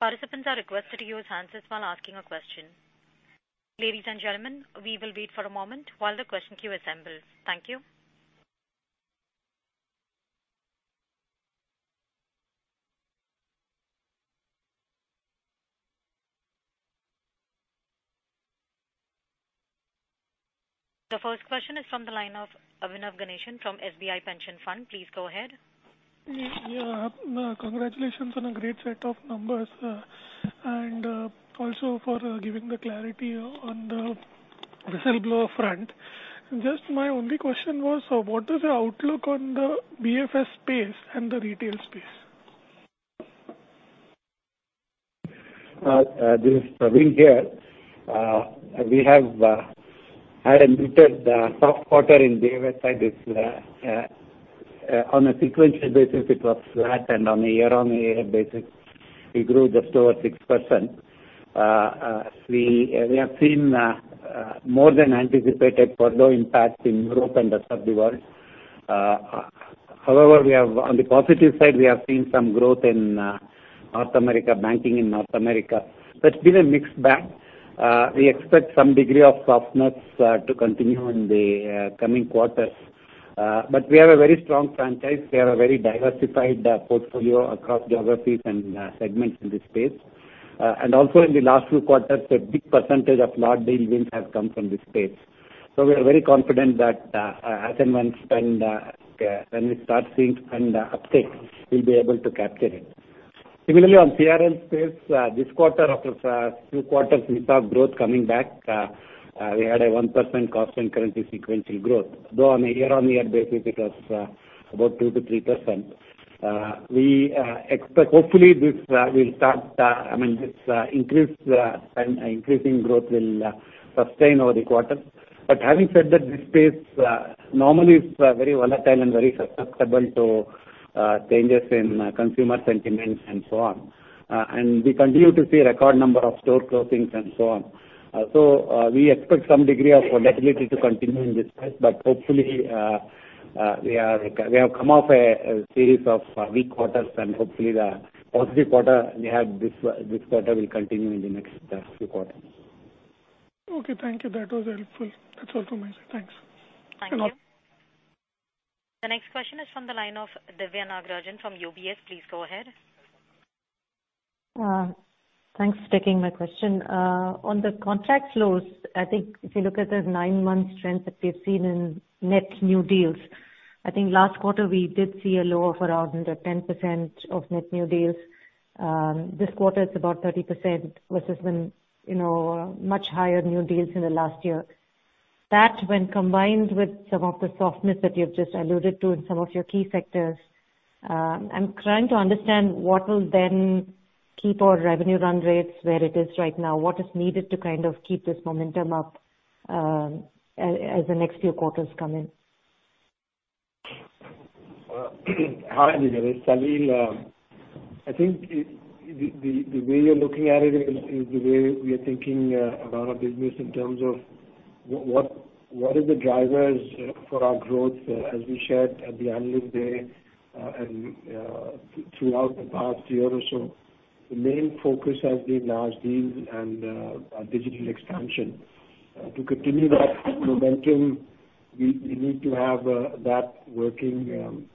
Participants are requested to use answers while asking a question. Ladies and gentlemen, we will wait for a moment while the question queue assembles. Thank you. The first question is from the line of Abhinav Ganesan from SBI Pension Fund. Please go ahead. Congratulations on a great set of numbers, and also for giving the clarity on the whistleblower front. Just my only question was, what is the outlook on the BFS space and the retail space? This is Pravin here. We have had a little soft quarter in the U.S. side. On a sequential basis, it was flat, and on a year-on-year basis, we grew just over 6%. We have seen more than anticipated portfolio impact in Europe and the rest of the world. On the positive side, we have seen some growth in North America, banking in North America. That's been a mixed bag. We expect some degree of softness to continue in the coming quarters. We have a very strong franchise. We have a very diversified portfolio across geographies and segments in this space. Also in the last few quarters, a big percentage of large deal wins have come from this space. We are very confident that as and when we spend, when we start seeing spend uptick, we'll be able to capture it. Similarly, on [inaudible] space, this quarter after a few quarters we saw growth coming back. We had a 1% constant currency sequential growth, though on a year-on-year basis, it was about 2%-3%. Hopefully this increasing growth will sustain over the quarter. Having said that, this space normally is very volatile and very susceptible to changes in consumer sentiments and so on. We continue to see a record number of store closings and so on. We expect some degree of volatility to continue in this space, but hopefully, we have come off a series of weak quarters and hopefully the positive quarter we had this quarter will continue in the next few quarters. Okay, thank you. That was helpful. That's all from my side. Thanks. Thank you. The next question is from the line of Diviya Nagarajan from UBS. Please go ahead. Thanks for taking my question. On the contract flows, I think if you look at the nine-month trend that we have seen in net new deals, I think last quarter we did see a low of around 10% of net new deals. This quarter it's about 30%, versus when much higher new deals in the last year. That, when combined with some of the softness that you've just alluded to in some of your key sectors, I'm trying to understand what will then keep our revenue run rates where it is right now. What is needed to kind of keep this momentum up as the next few quarters come in? Hi, Diviya. It's Salil. I think the way you're looking at it is the way we are thinking about our business in terms of what are the drivers for our growth. As we shared at the analyst day and throughout the past year or so, the main focus has been large deals and our digital expansion. To continue that momentum, we need to have that working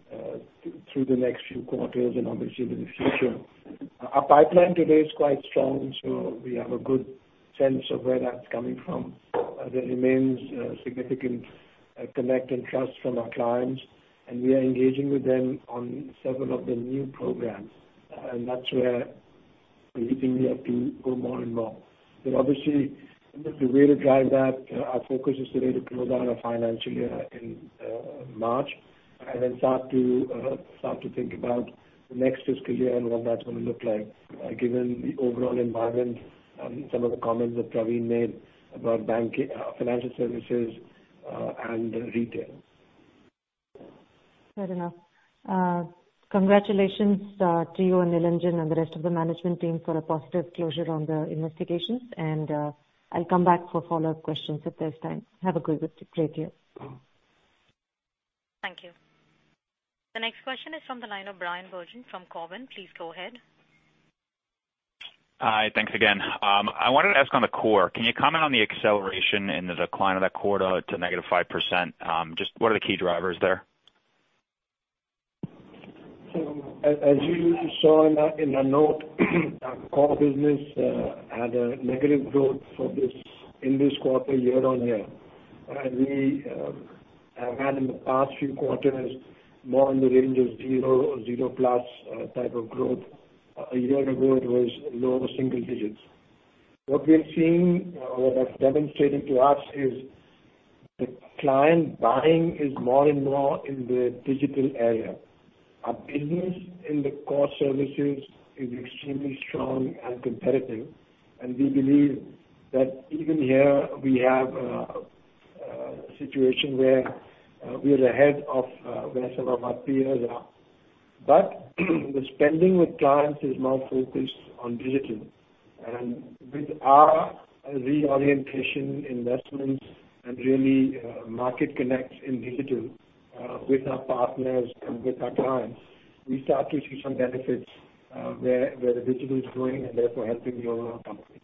through the next few quarters and obviously into the future. Our pipeline today is quite strong, so we have a good sense of where that's coming from. There remains significant connect and trust from our clients, and we are engaging with them on several of the new programs. That's where we think we have to go more and more. Obviously, the way to drive that, our focus is really to close out our financial year in March, and then start to think about the next fiscal year and what that's going to look like given the overall environment and some of the comments that Pravin made about financial services and retail. Fair enough. Congratulations to you and Nilanjan and the rest of the management team for a positive closure on the investigations. I'll come back for follow-up questions if there's time. Have a great week. Great year. Thank you. The next question is from the line of Bryan Bergin from Cowen. Please go ahead. Hi. Thanks again. I wanted to ask on the core. Can you comment on the acceleration in the decline of that core to negative 5%? Just what are the key drivers there? As you saw in the note, our core business had a negative growth in this quarter year-over-year. We have had in the past few quarters more in the range of zero or zero+ type of growth. A year ago, it was lower single digits. What we're seeing or what's demonstrating to us is the client buying is more and more in the digital area. Our business in the core services is extremely strong and competitive, and we believe that even here we have a situation where we are ahead of where some of our peers are. The spending with clients is more focused on digital. With our reorientation investments and really market connects in digital with our partners and with our clients, we start to see some benefits where the digital is growing and therefore helping the overall company.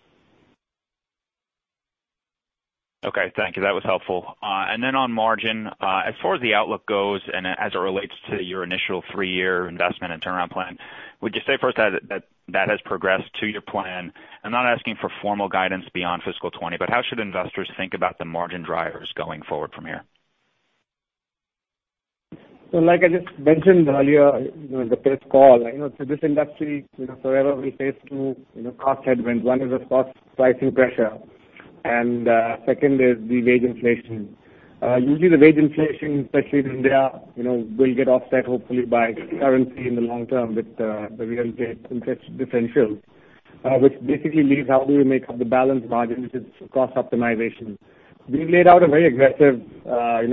Okay, thank you. That was helpful. On margin, as far as the outlook goes and as it relates to your initial three-year investment and turnaround plan, would you say first that that has progressed to your plan? I'm not asking for formal guidance beyond FY 2020, how should investors think about the margin drivers going forward from here? Like I just mentioned earlier in the first call, this industry forever will face two cost headwinds. One is the cost pricing pressure and second is the wage inflation. Usually, the wage inflation, especially in India, will get offset hopefully by currency in the long term with the real estate differential which basically leaves how do we make up the balance margin, which is cost optimization. We've laid out a very aggressive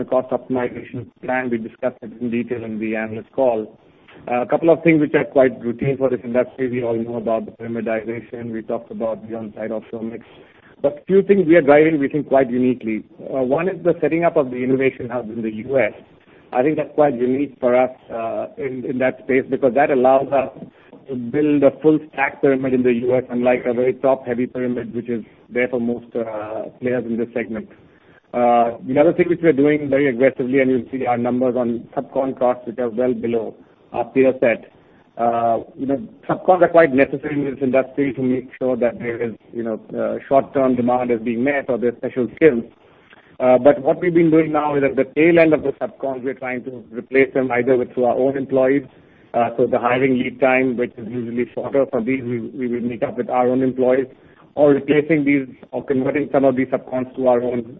cost optimization plan. We discussed it in detail in the analyst call. A couple of things which are quite routine for this industry. We all know about the pyramidization. We talked about the on-site also mix. But few things we are driving we think quite uniquely. One is the setting up of the innovation hub in the U.S. I think that's quite unique for us in that space because that allows us to build a full stack pyramid in the U.S., unlike a very top-heavy pyramid, which is there for most players in this segment. You'll see our numbers on subcon costs, which are well below our peer set. Subcons are quite necessary in this industry to make sure that there is short-term demand is being met or there's special skills. What we've been doing now is at the tail end of the subcons, we're trying to replace them either with our own employees. The hiring lead time, which is usually shorter for these, we will make up with our own employees or replacing these or converting some of these subcons to our own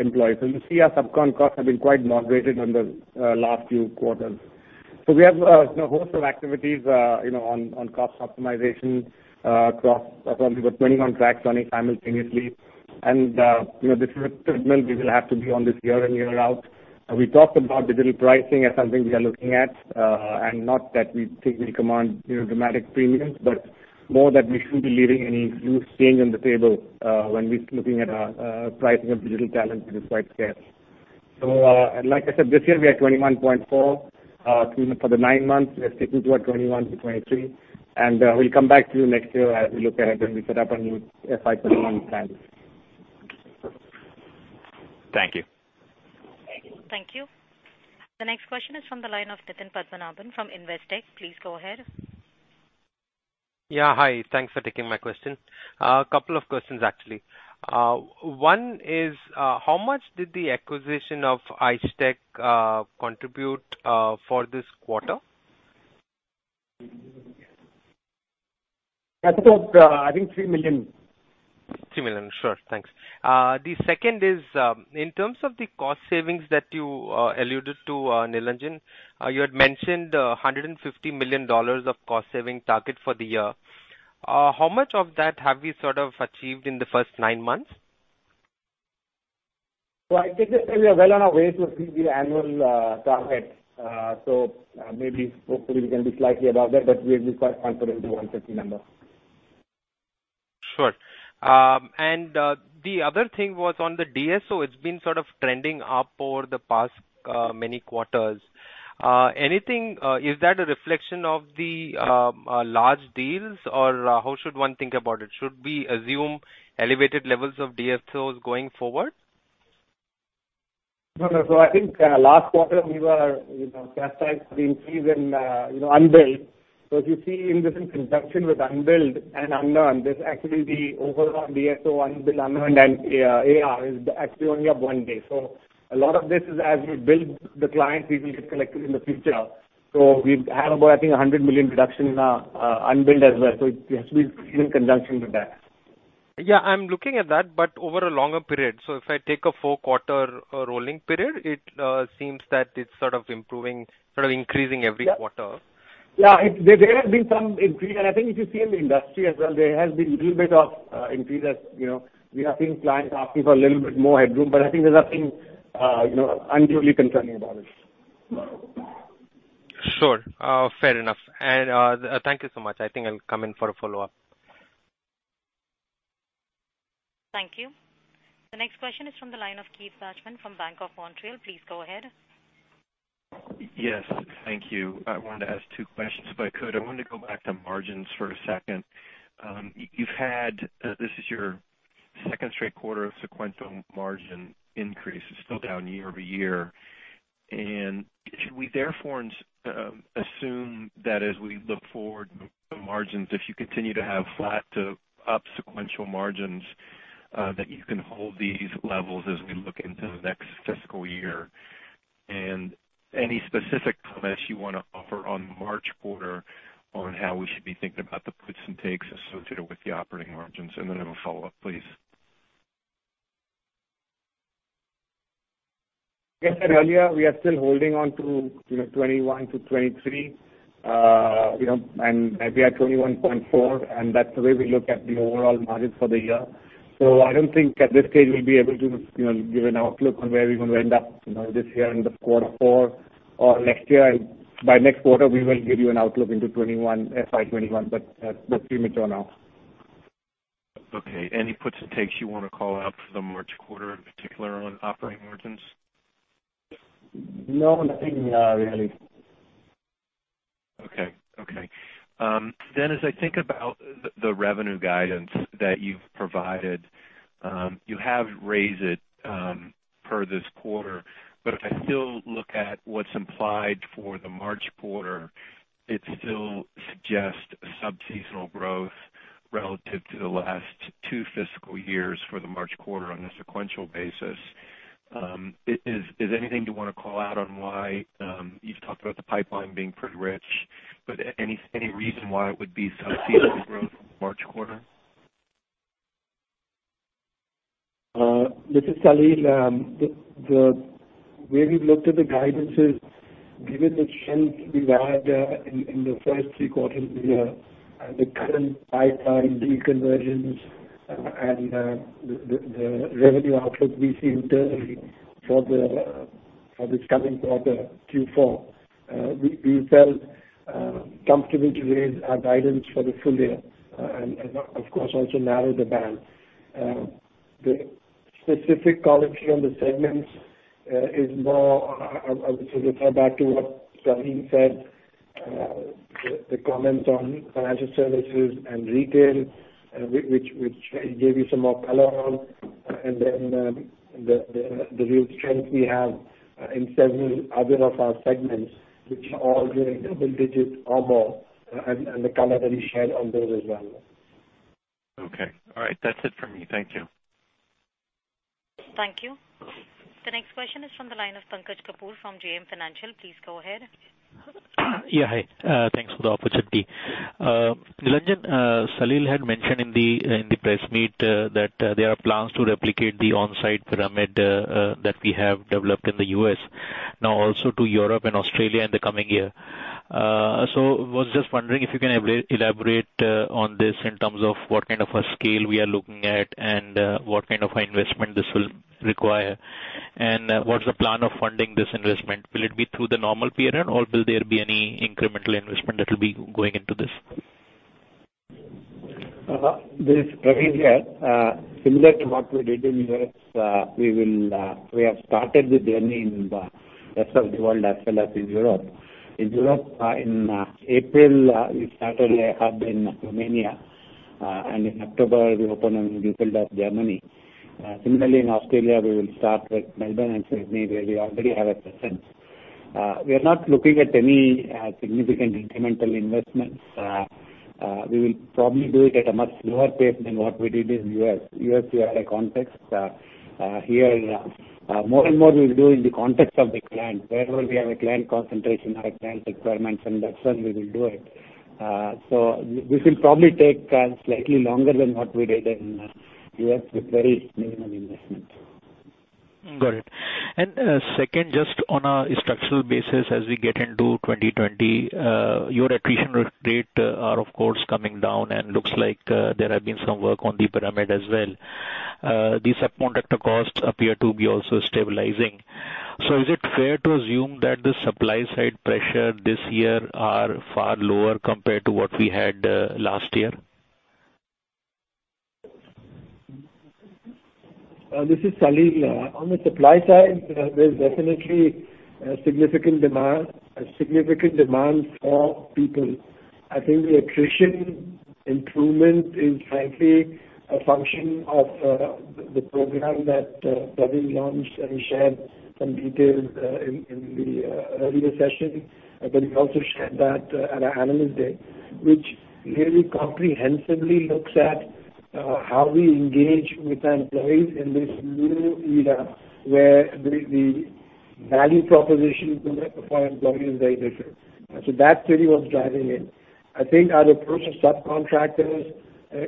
employees. You see our subcon costs have been quite moderated in the last few quarters. We have a host of activities on cost optimization across. We're running on tracks, running simultaneously. This is a treadmill we will have to be on this year in, year out. We talked about digital pricing as something we are looking at and not that we think we command dramatic premiums, but more that we shouldn't be leaving any loose change on the table when we're looking at pricing of digital talent. It is quite scarce. Like I said, this year we are 21.4%. For the nine months, we are sticking to our 21%-23%, and we'll come back to you next year as we look ahead and we set up our new FY 2021 plans. Thank you. Thank you. The next question is from the line of Nitin Padmanabhan from Investec. Please go ahead. Yeah, hi. Thanks for taking my question. A couple of questions, actually. One is, how much did the acquisition of Eishtec contribute for this quarter? I think 3 million. 3 million. Sure. Thanks. The second is, in terms of the cost savings that you alluded to, Nilanjan, you had mentioned INR 150 million of cost-saving target for the year. How much of that have we sort of achieved in the first nine months? I think we are well on our way to achieve the annual target. Maybe hopefully we can be slightly above that, but we are quite comfortable with the 150 number. Sure. The other thing was on the DSO. It's been sort of trending up over the past many quarters. Is that a reflection of the large deals, or how should one think about it? Should we assume elevated levels of DSOs going forward? No. I think last quarter we were chastised for the increase in unbilled. If you see in this, in conjunction with unbilled and unearned, this actually the overall DSO unbilled, unearned and AR is actually only up one day. A lot of this is as we build the client, we will get collected in the future. We've had about, I think, 100 million reduction in our unbilled as well. It has been in conjunction with that. Yeah, I'm looking at that, but over a longer period. If I take a four quarter rolling period, it seems that it's sort of increasing every quarter. Yeah. There has been some increase. I think if you see in the industry as well, there has been little bit of increase as we are seeing clients asking for a little bit more headroom. I think there's nothing unduly concerning about it. Sure. Fair enough. Thank you so much. I think I'll come in for a follow-up. Thank you. The next question is from the line of Keith Bachman from BMO Capital Markets. Please go ahead. Yes. Thank you. I wanted to ask two questions, if I could. I wanted to go back to margins for a second. This is your second straight quarter of sequential margin increase. It's still down year-over-year. Should we therefore assume that as we look forward, the margins, if you continue to have flat to up sequential margins, that you can hold these levels as we look into the next fiscal year? Any specific comments you want to offer on March quarter on how we should be thinking about the puts and takes associated with the operating margins? Then I have a follow-up, please. As said earlier, we are still holding on to 21%-23%, and we are at 21.4%, and that's the way we look at the overall margins for the year. I don't think at this stage we'll be able to give an outlook on where we're going to end up this year in the quarter four or next year. By next quarter, we will give you an outlook into FY 2021, but that's premature now. Any puts and takes you want to call out for the March quarter in particular on operating margins? No, nothing really. Okay. As I think about the revenue guidance that you've provided, you have raised it per this quarter, but if I still look at what's implied for the March quarter, it still suggests sub-seasonal growth relative to the last two fiscal years for the March quarter on a sequential basis. Is anything you want to call out on why you've talked about the pipeline being pretty rich, but any reason why it would be sub-seasonal growth March quarter? This is Salil. The way we've looked at the guidance is given the strength we've had in the first three quarters of the year, the current pipeline de-convergence and the revenue outlook we see internally for this coming quarter, Q4. We felt comfortable to raise our guidance for the full-year and of course also narrow the band. The specific color here on the segments is more, to refer back to what Pravin said, the comments on financial services and retail which he gave you some more color on, and then the real strength we have in several other of our segments which are all doing double digits or more and the color that he shared on those as well. Okay. All right. That's it for me. Thank you. Thank you. The next question is from the line of Pankaj Kapoor from JM Financial. Please go ahead. Yeah. Hi. Thanks for the opportunity. Nilanjan, Salil had mentioned in the press meet that there are plans to replicate the on-site pyramid that we have developed in the U.S. now also to Europe and Australia in the coming year. I was just wondering if you can elaborate on this in terms of what kind of a scale we are looking at and what kind of investment this will require, and what's the plan of funding this investment? Will it be through the normal P&L or will there be any incremental investment that will be going into this? This Pravin here. Similar to what we did in U.S., we have started the journey in the rest of the world as well as in Europe. In Europe, in April, we started a hub in Romania, and in October we opened in Düsseldorf, Germany. Similarly, in Australia we will start with Melbourne and Sydney where we already have a presence. We are not looking at any significant incremental investments. We will probably do it at a much lower pace than what we did in U.S. U.S. we had a context. Here, more and more we'll do in the context of the client. Wherever we have a client concentration or a client requirement, then that's when we will do it. This will probably take slightly longer than what we did in U.S. with very minimum investment. Got it. Second, just on a structural basis as we get into 2020, your attrition rate are of course coming down and looks like there have been some work on the pyramid as well. The subcontractor costs appear to be also stabilizing. Is it fair to assume that the supply side pressure this year are far lower compared to what we had last year? This is Salil. On the supply side, there's definitely a significant demand for people. I think the attrition improvement is frankly a function of the program that Pravin launched and shared some details in the earlier session. He also shared that at our analyst day, which really comprehensively looks at how we engage with our employees in this new era where the value proposition for our employee is very different. That's really what's driving it. I think our approach to subcontractors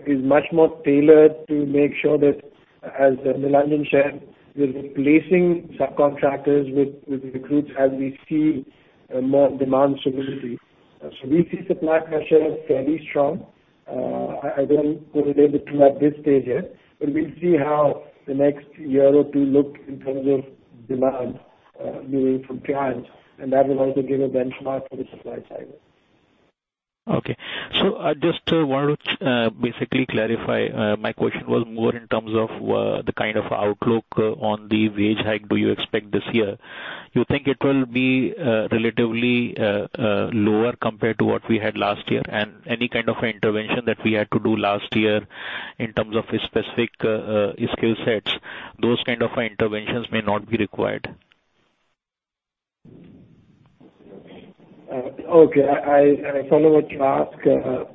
is much more tailored to make sure that, as Nilanjan shared, we're replacing subcontractors with recruits as we see more demand stability. We see supply pressure fairly strong. I wouldn't put it able to at this stage yet, we'll see how the next year or two look in terms of demand, viewing from clients, and that will also give a benchmark for the supply side. Okay. I just wanted to basically clarify. My question was more in terms of the kind of outlook on the wage hike do you expect this year? You think it will be relatively lower compared to what we had last year? Any kind of intervention that we had to do last year in terms of specific skill sets, those kind of interventions may not be required? Okay. I follow what you ask.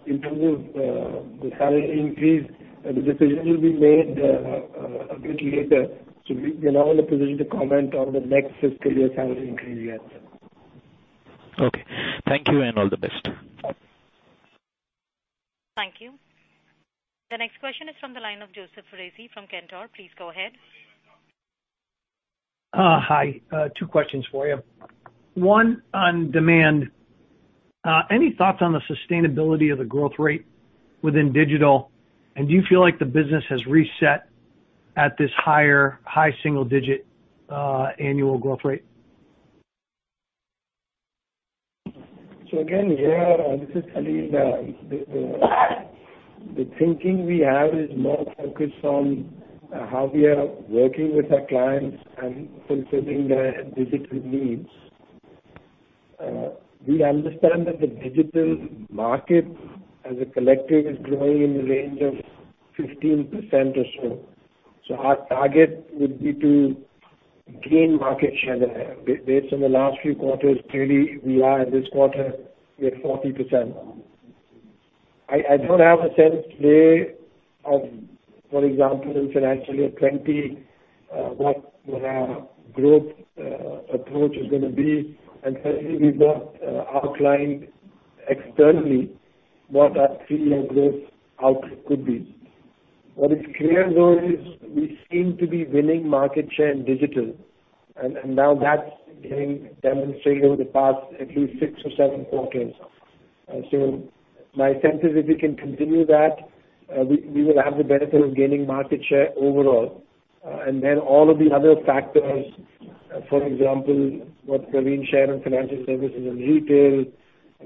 In terms of the salary increase, the decision will be made a bit later, we are not in a position to comment on the next fiscal year salary increase yet. Okay. Thank you and all the best. Thank you. The next question is from the line of Joseph Foresi from Cantor. Please go ahead. Hi. Two questions for you. One on demand. Any thoughts on the sustainability of the growth rate within digital, and do you feel like the business has reset at this high single-digit annual growth rate? Again, here, this is Salil Parekh. The thinking we have is more focused on how we are working with our clients and fulfilling their digital needs. We understand that the digital market as a collective is growing in the range of 15% or so. Our target would be to gain market share there. Based on the last few quarters, clearly we are at this quarter, we are 40%. I don't have a sense today of, for example, in FY 2020, what our growth approach is going to be. Frankly, we've not outlined externally what our three-year growth outlook could be. What is clear though is we seem to be winning market share in digital, and now that's getting demonstrated over the past at least six or seven quarters. My sense is if we can continue that, we will have the benefit of gaining market share overall. Then all of the other factors, for example, what Pravin shared on financial services and retail,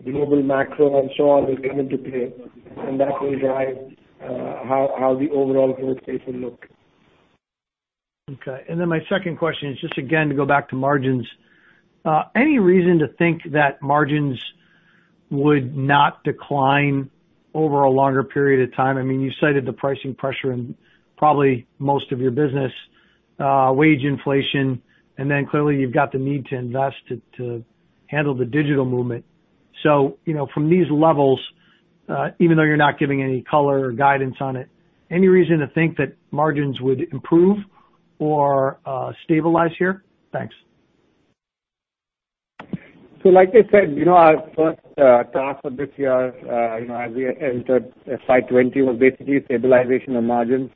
global macro and so on will come into play, and that will drive how the overall growth case will look. Okay. My second question is just again to go back to margins. Any reason to think that margins would not decline over a longer period of time? You cited the pricing pressure in probably most of your business, wage inflation, and then clearly you've got the need to invest to handle the digital movement. From these levels, even though you're not giving any color or guidance on it, any reason to think that margins would improve or stabilize here? Thanks. Like I said, our first task for this year, as we entered FY 2020, was basically stabilization of margins.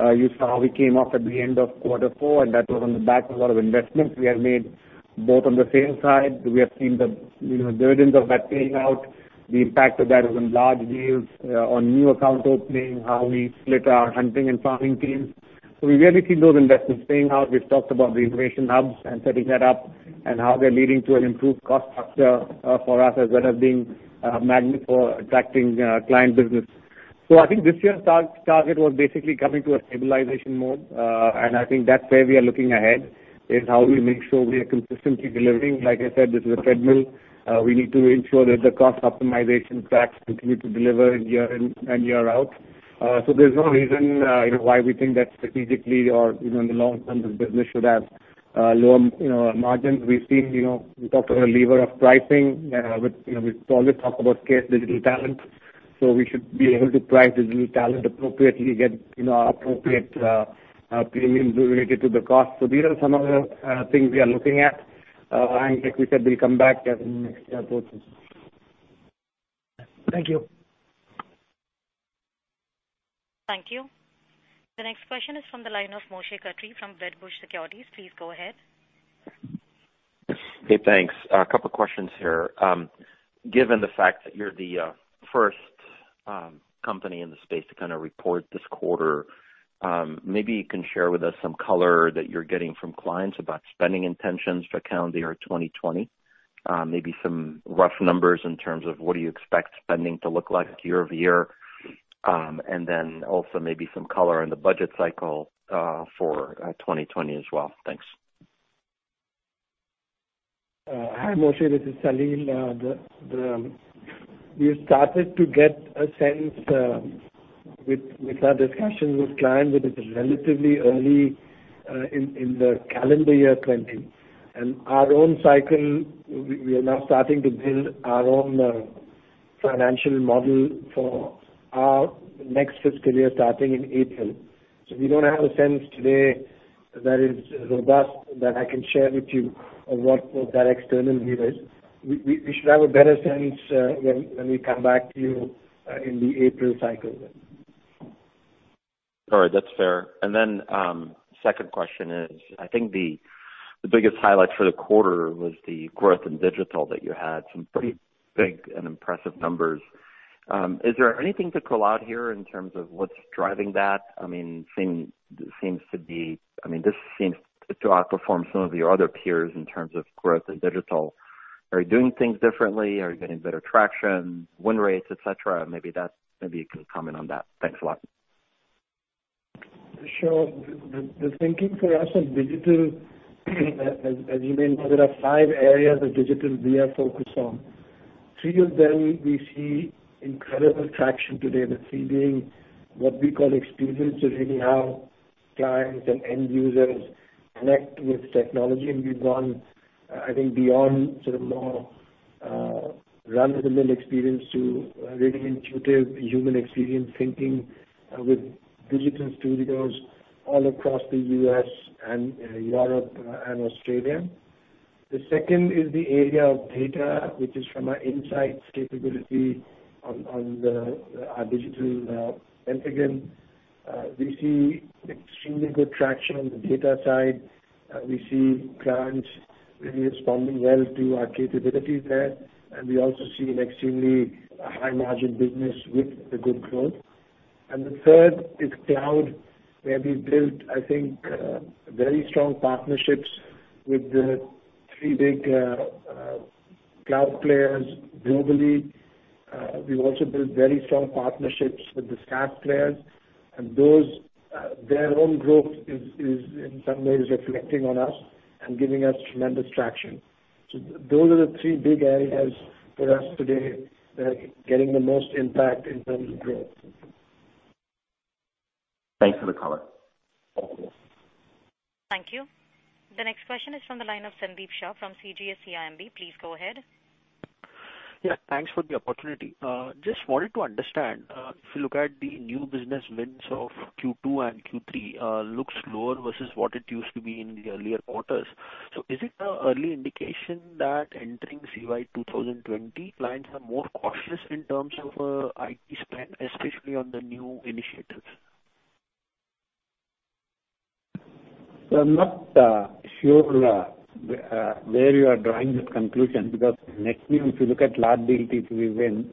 You saw how we came off at the end of quarter four, and that was on the back of a lot of investments we have made both on the sales side. We have seen the dividends of that playing out. The impact of that is in large deals on new account opening, how we split our hunting and farming teams. We really see those investments paying out. We've talked about the innovation hubs and setting that up and how they're leading to an improved cost structure for us, as well as being a magnet for attracting client business. I think this year's target was basically coming to a stabilization mode. I think that's where we are looking ahead, is how we make sure we are consistently delivering. Like I said, this is a treadmill. We need to ensure that the cost optimization tracks continue to deliver in year and year out. There's no reason why we think that strategically or in the long term, the business should have lower margins. We talked about the lever of pricing. We always talk about scarce digital talent. We should be able to price digital talent appropriately, get our appropriate premiums related to the cost. These are some of the things we are looking at. Like we said, we'll come back in the next quarter. Thank you. Thank you. The next question is from the line of Moshe Katri from Wedbush Securities. Please go ahead. Hey, thanks. A couple questions here. Given the fact that you're the first company in the space to kind of report this quarter, maybe you can share with us some color that you're getting from clients about spending intentions for calendar year 2020. Maybe some rough numbers in terms of what do you expect spending to look like year-over-year, and then also maybe some color on the budget cycle for 2020 as well. Thanks. Hi Moshe, this is Salil. We have started to get a sense with our discussions with clients that it's relatively early in the calendar year 2020. Our own cycle, we are now starting to build our own financial model for our next fiscal year starting in April. We don't have a sense today that is robust that I can share with you on what that external view is. We should have a better sense when we come back to you in the April cycle then. All right, that's fair. Second question is, I think the biggest highlight for the quarter was the growth in digital that you had. Some pretty big and impressive numbers. Is there anything to call out here in terms of what's driving that? This seems to outperform some of your other peers in terms of growth in digital. Are you doing things differently? Are you getting better traction, win rates, et cetera? Maybe you can comment on that. Thanks a lot. Sure. The thinking for us on digital, as you mentioned, there are five areas of digital we are focused on. Three of them, we see incredible traction today. The three being what we call experience. Really how clients and end users connect with technology. We've gone, I think, beyond sort of more run-of-the-mill experience to a really intuitive human experience thinking with digital studios all across the U.S. and Europe and Australia. The second is the area of data, which is from our insights capability on our Digital Pentagon. We see extremely good traction on the data side. We see clients really responding well to our capabilities there, and we also see an extremely high margin business with a good growth. The third is cloud, where we built, I think, very strong partnerships with the three big cloud players globally. We've also built very strong partnerships with the SaaS players. Their own growth is in some ways reflecting on us and giving us tremendous traction. Those are the three big areas for us today that are getting the most impact in terms of growth. Thanks for the color. Thank you. The next question is from the line of Sandeep Shah from CGS-CIMB. Please go ahead. Yeah, thanks for the opportunity. Just wanted to understand, if you look at the new business wins of Q2 and Q3, looks lower versus what it used to be in the earlier quarters. Is it a early indication that entering CY 2020, clients are more cautious in terms of IT spend, especially on the new initiatives? I'm not sure where you are drawing that conclusion, because net new, if you look at large deal TCV wins,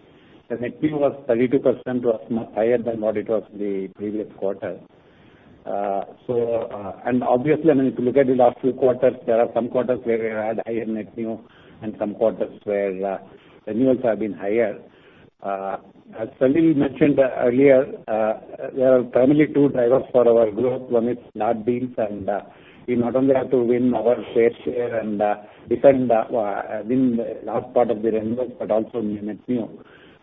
the net new was 32%, was much higher than what it was the previous quarter. Obviously, I mean, if you look at the last few quarters, there are some quarters where we've had higher net new and some quarters where renewals have been higher. As Salil mentioned earlier, there are primarily two drivers for our growth. One is large deals, and we not only have to win our fair share and defend, win the last part of the renewals, but also net new.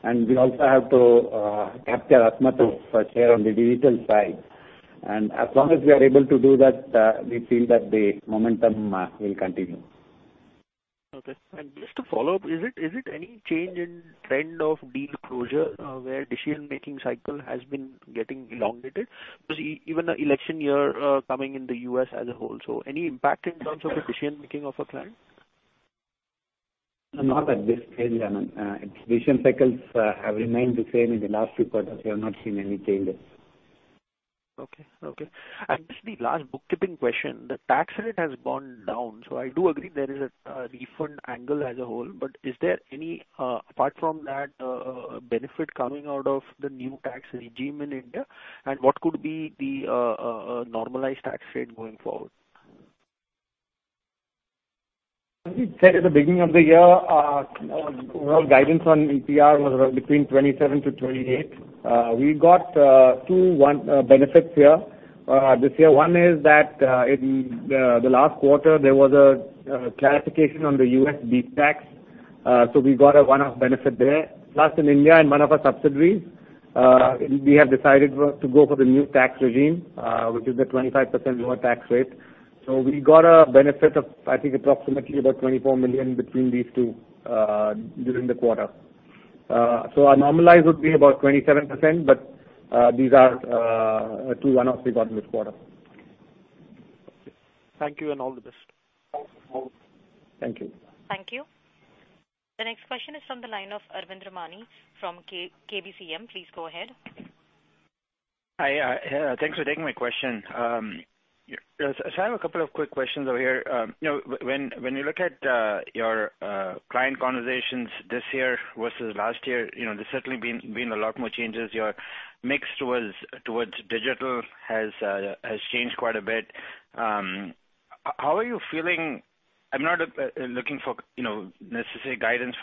We also have to capture as much of a share on the Digital side. As long as we are able to do that, we feel that the momentum will continue. Okay. Just to follow up, is it any change in trend of deal closure, where decision-making cycle has been getting elongated? Even election year coming in the U.S. as a whole. Any impact in terms of the decision-making of a client? Not at this stage. Decision cycles have remained the same in the last few quarters. We have not seen any changes. Okay. Just the last bookkeeping question, the tax rate has gone down. I do agree there is a refund angle as a whole, is there any, apart from that, benefit coming out of the new tax regime in India, and what could be the normalized tax rate going forward? As we said at the beginning of the year, our overall guidance on ETR was between 27-28. We got two benefits here. This year one is that in the last quarter, there was a clarification on the U.S. BEAT tax, we got a one-off benefit there. In India, in one of our subsidiaries, we have decided to go for the new tax regime, which is the 25% lower tax rate. We got a benefit of, I think, approximately about $24 million between these two during the quarter. Our normalized would be about 27%, these are two one-offs we got in this quarter. Okay. Thank you, and all the best. Thank you. Thank you. The next question is from the line of Arvind Ramnani from KBCM. Please go ahead. Hi. Thanks for taking my question. I have a couple of quick questions over here. When you look at your client conversations this year versus last year, there's certainly been a lot more changes. Your mix towards digital has changed quite a bit. I'm not looking for necessary guidance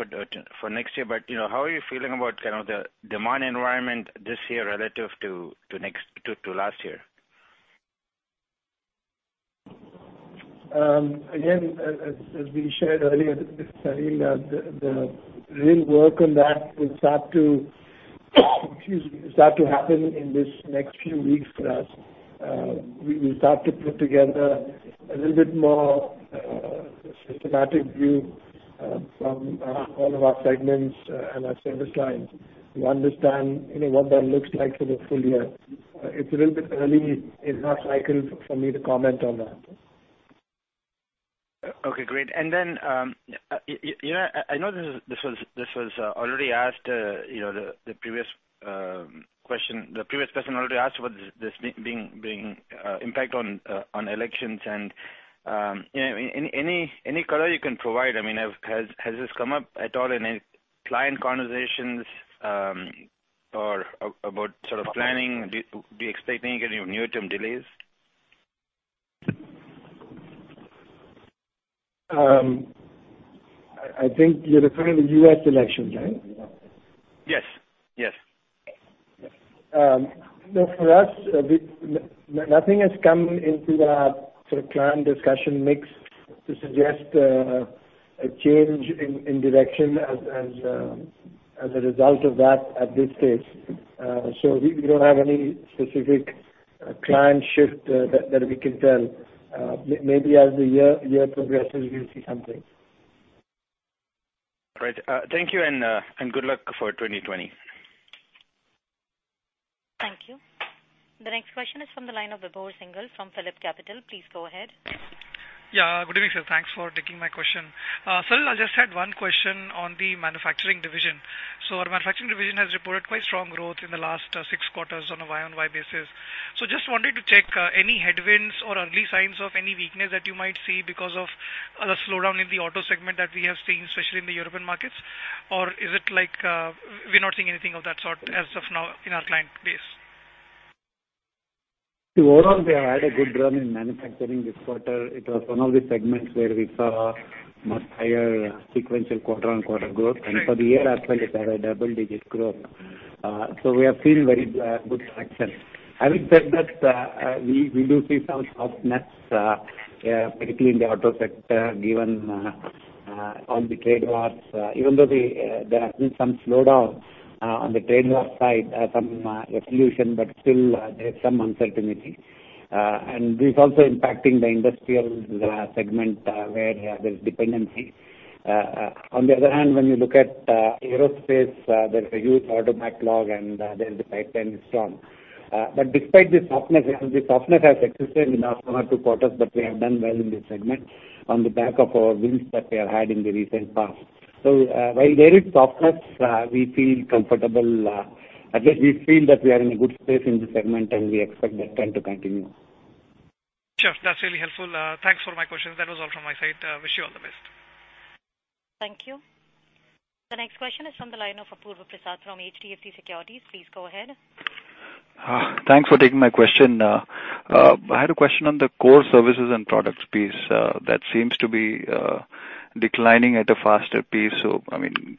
for next year, but how are you feeling about kind of the demand environment this year relative to last year? Again, as we shared earlier, Salil, the real work on that will start to happen in this next few weeks for us. We will start to put together a little bit more of a systematic view from all of our segments and our service lines to understand what that looks like for the full-year. It's a little bit early in our cycle for me to comment on that. Okay, great. I know this was already asked, the previous person already asked about this impact on elections. Any color you can provide? Has this come up at all in any client conversations, or about sort of planning? Do you expect any near-term delays? I think you're referring to the U.S. elections, right? Yes. For us, nothing has come into the sort of client discussion mix to suggest a change in direction as a result of that at this stage. We don't have any specific client shift that we can tell. Maybe as the year progresses, we'll see something. Great. Thank you, and good luck for 2020. Thank you. The next question is from the line of Vibhor Singhal from PhillipCapital. Please go ahead. Good evening. Sir. Thanks for taking my question. Salil, I just had one question on the manufacturing division. Our manufacturing division has reported quite strong growth in the last six quarters on a year-on-year basis. Just wanted to check any headwinds or early signs of any weakness that you might see because of the slowdown in the auto segment that we have seen, especially in the European markets? Is it like we're not seeing anything of that sort as of now in our client base? Overall, they have had a good run in manufacturing this quarter. It was one of the segments where we saw much higher sequential quarter-on-quarter growth. For the year as well it had a double-digit growth. We are feeling very good on that front. Having said that, we do see some softness, particularly in the auto sector, given all the trade wars. Even though there has been some slowdown on the trade war side, some resolution, but still there's some uncertainty. This is also impacting the industrial segment, where there's dependency. On the other hand, when you look at aerospace, there's a huge order backlog and there the pipeline is strong. Despite this softness, this softness has existed in the last one or two quarters, but we have done well in this segment on the back of our wins that we have had in the recent past. While there is softness, we feel comfortable. At least we feel that we are in a good space in this segment, and we expect that trend to continue. Sure, that's really helpful. Thanks for my questions. That was all from my side. Wish you all the best. Thank you. The next question is from the line of Apurva Prasad from HDFC Securities. Please go ahead. Thanks for taking my question. I had a question on the core services and products piece. That seems to be declining at a faster pace.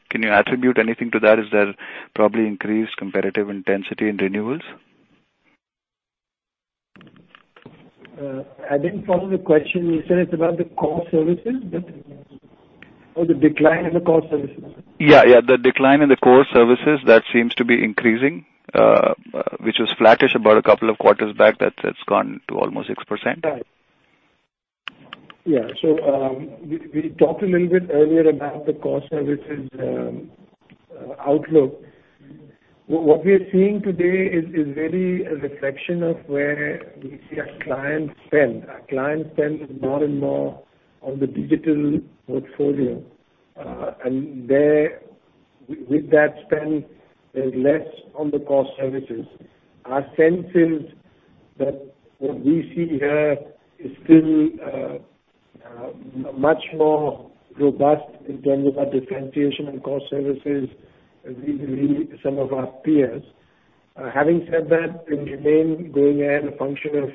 Can you attribute anything to that? Is there probably increased competitive intensity in renewals? I didn't follow the question you said. It's about the core services? Or the decline in the core services? Yeah. The decline in the core services, that seems to be increasing, which was flattish about a couple of quarters back. That's gone to almost 6%. Right. Yeah. We talked a little bit earlier about the core services outlook. What we are seeing today is really a reflection of where we see our client spend. Our client spend is more and more on the digital portfolio. With that spend, there's less on the core services. Our sense is that what we see here is still much more robust in terms of our differentiation in core services vis-a-vis some of our peers. Having said that, it will remain going ahead a function of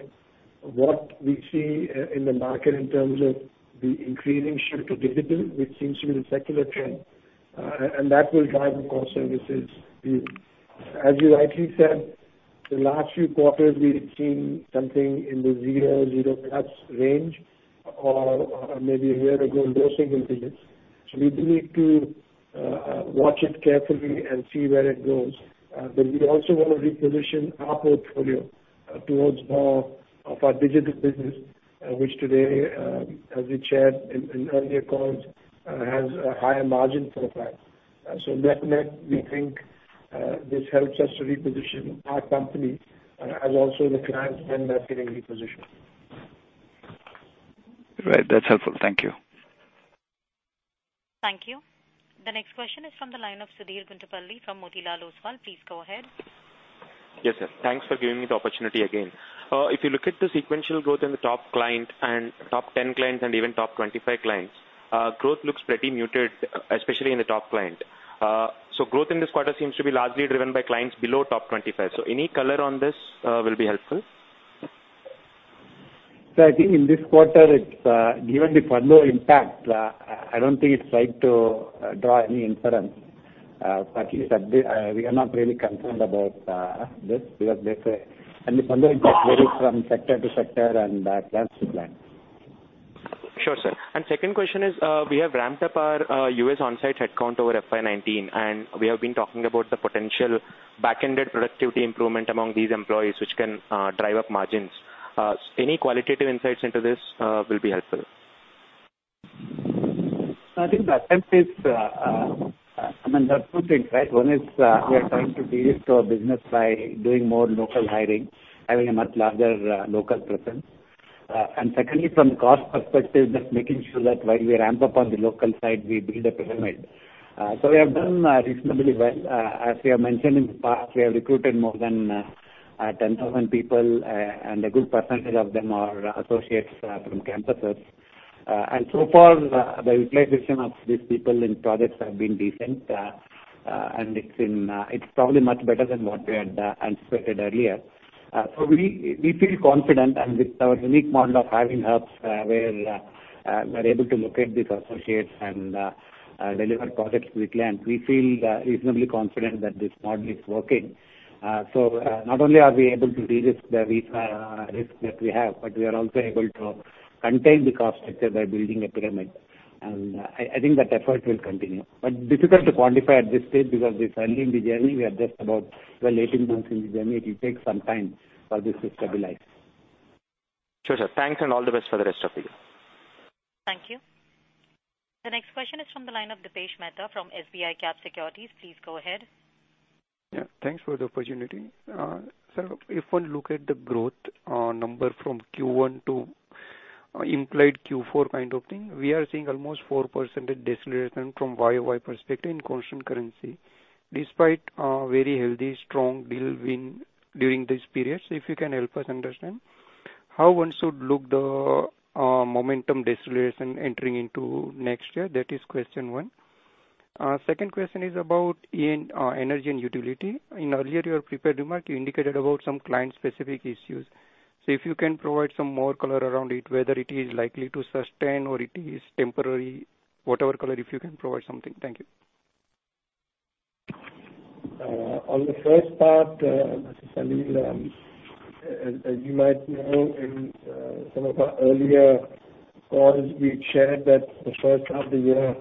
what we see in the market in terms of the increasing shift to digital, which seems to be the secular trend. That will drive the core services view. As you rightly said, the last few quarters we had seen something in the zero+ range or maybe one year ago, low single digits. We do need to watch it carefully and see where it goes. We also want to reposition our portfolio towards more of our digital business which today, as we shared in earlier calls, has a higher margin profile. Net-net, we think this helps us to reposition our company as also the clients spend are getting repositioned. Right. That's helpful. Thank you. Thank you. The next question is from the line of Sudheer Guntupalli from Motilal Oswal. Please go ahead. Yes, sir. Thanks for giving me the opportunity again. If you look at the sequential growth in the top 10 clients and even top 25 clients, growth looks pretty muted, especially in the top client. Growth in this quarter seems to be largely driven by clients below top 25. Any color on this will be helpful. I think in this quarter, given the furlough impact, I don't think it's right to draw any inference. Particularly that we are not really concerned about this because they say, and the furlough impact varies from sector to sector and client to client. Sure, sir. Second question is, we have ramped up our U.S. onsite headcount over FY 2019, and we have been talking about the potential back-ended productivity improvement among these employees, which can drive up margins. Any qualitative insights into this will be helpful. I think the attempt is, I mean, there are two things, right? One is, we are trying to de-risk our business by doing more local hiring, having a much larger local presence. Secondly, from cost perspective, just making sure that while we ramp up on the local side, we build a pyramid. We have done reasonably well. As we have mentioned in the past, we have recruited more than 10,000 people, and a good % of them are associates from campuses. So far, the utilization of these people in projects have been decent, and it's probably much better than what we had anticipated earlier. We feel confident, and with our unique model of having hubs where we're able to locate these associates and deliver projects quickly, and we feel reasonably confident that this model is working. Not only are we able to de-risk the risk that we have, but we are also able to contain the cost structure by building a pyramid. I think that effort will continue. Difficult to quantify at this stage because we're early in the journey. We are just about, well, 18 months in the journey. It will take some time for this to stabilize. Sure, sir. Thanks and all the best for the rest of the year. Thank you. The next question is from the line of Dipesh Mehta from SBICAP Securities. Please go ahead. Yeah. Thanks for the opportunity. Sir, if one look at the growth number from Q1 to implied Q4 kind of thing, we are seeing almost 4% deceleration from YOY perspective in constant currency, despite a very healthy strong deal win during this period. If you can help us understand how one should look the momentum deceleration entering into next year? That is question one. Second question is about energy and utility. In earlier your prepared remark, you indicated about some client-specific issues. If you can provide some more color around it, whether it is likely to sustain or it is temporary, whatever color if you can provide something. Thank you. On the first part, Dipesh, as you might know, in some of our earlier calls, we'd shared that the first half of the year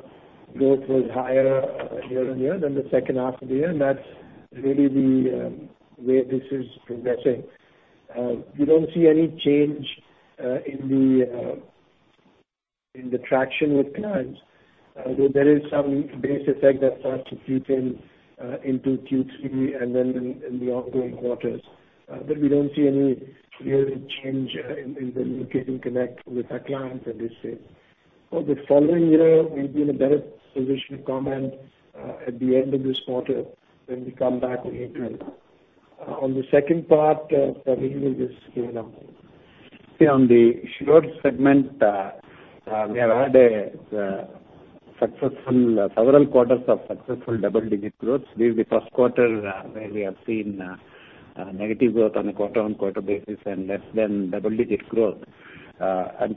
growth was higher year-on-year than the second half of the year, and that's really the way this is progressing. We don't see any change in the traction with clients. There is some base effect that starts to creep in into Q3 and then in the ongoing quarters. We don't see any real change in the engagement connect with our clients. [inaudible] For the following year, we'll be in a better position to comment at the end of this quarter when we come back in April. On the second part, Dipesh, this came up. On the short segment, we have had several quarters of successful double-digit growth. This is the first quarter where we have seen negative growth on a quarter-on-quarter basis and less than double-digit growth. As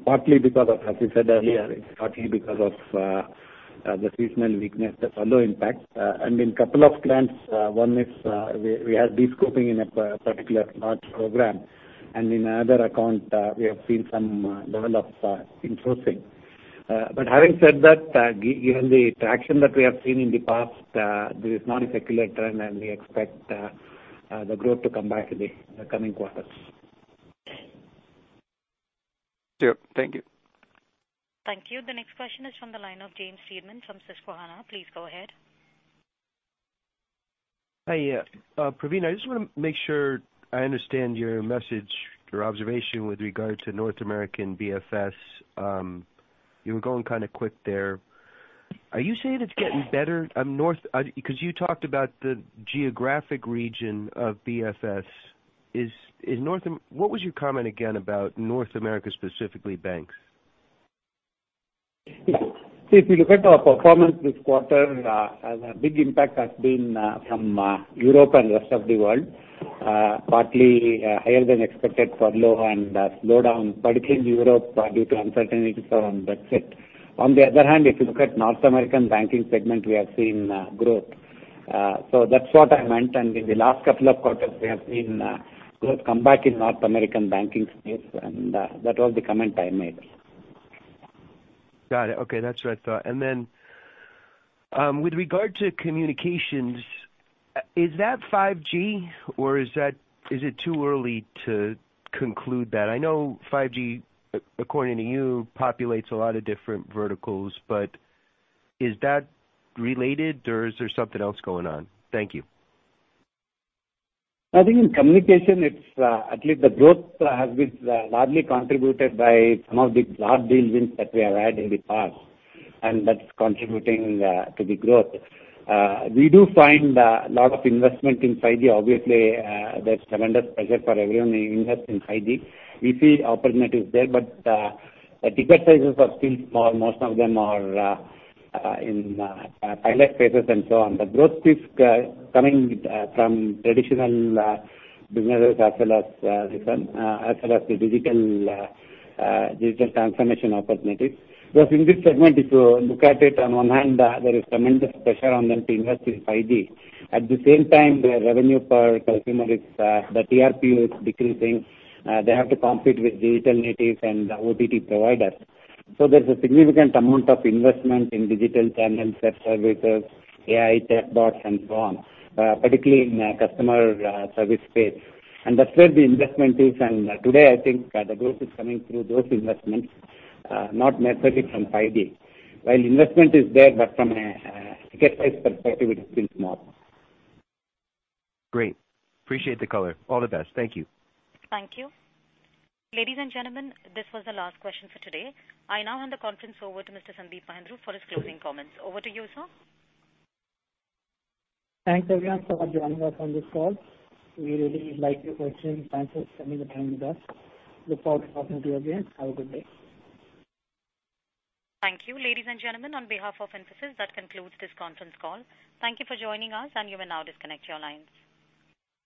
we said earlier, it's partly because of the seasonal weakness, the furlough impact. In couple of clients, one is we are de-scoping in a particular large program. In another account, we have seen some level of insourcing. Having said that, given the traction that we have seen in the past, this is not a secular trend and we expect the growth to come back in the coming quarters. Sure. Thank you. Thank you. The next question is from the line of James Friedman from Susquehanna. Please go ahead. Hi, Pravin. I just want to make sure I understand your message, your observation with regard to North American BFS. You were going kind of quick there. Are you saying it's getting better? You talked about the geographic region of BFS. What was your comment again about North America, specifically banks? If you look at our performance this quarter, a big impact has been from Europe and rest of the world, partly higher than expected furlough and slowdown, particularly in Europe due to uncertainties around budget. If you look at North American banking segment, we have seen growth. That's what I meant. In the last couple of quarters, we have seen growth come back in North American banking space, and that was the comment I made. Got it. Okay. That's what I thought. With regard to communications, is that 5G or is it too early to conclude that? I know 5G, according to you, populates a lot of different verticals, is that related or is there something else going on? Thank you. I think in communication, at least the growth has been largely contributed by some of the large deal wins that we have had in the past. That's contributing to the growth. We do find a lot of investment in 5G. Obviously, there's tremendous pressure for everyone to invest in 5G. We see opportunities there, but the ticket sizes are still small. Most of them are in pilot phases and so on. The growth is coming from traditional businesses as well as the digital transformation opportunities. In this segment, if you look at it on one hand, there is tremendous pressure on them to invest in 5G. At the same time, their revenue per consumer, the ARPU is decreasing. They have to compete with digital natives and OTT providers. There's a significant amount of investment in digital channels, self-services, AI chatbots and so on, particularly in customer service space. That's where the investment is. Today, I think the growth is coming through those investments, not necessarily from 5G. While investment is there, but from a ticket size perspective, it is still small. Great. Appreciate the color. All the best. Thank you. Thank you. Ladies and gentlemen, this was the last question for today. I now hand the conference over to Mr. Sandeep Mahindroo for his closing comments. Over to you, sir. Thanks, everyone, for joining us on this call. We really like your questions. Thanks for spending the time with us. Look forward to talking to you again. Have a good day. Thank you. Ladies and gentlemen, on behalf of Infosys, that concludes this conference call. Thank you for joining us, and you may now disconnect your lines.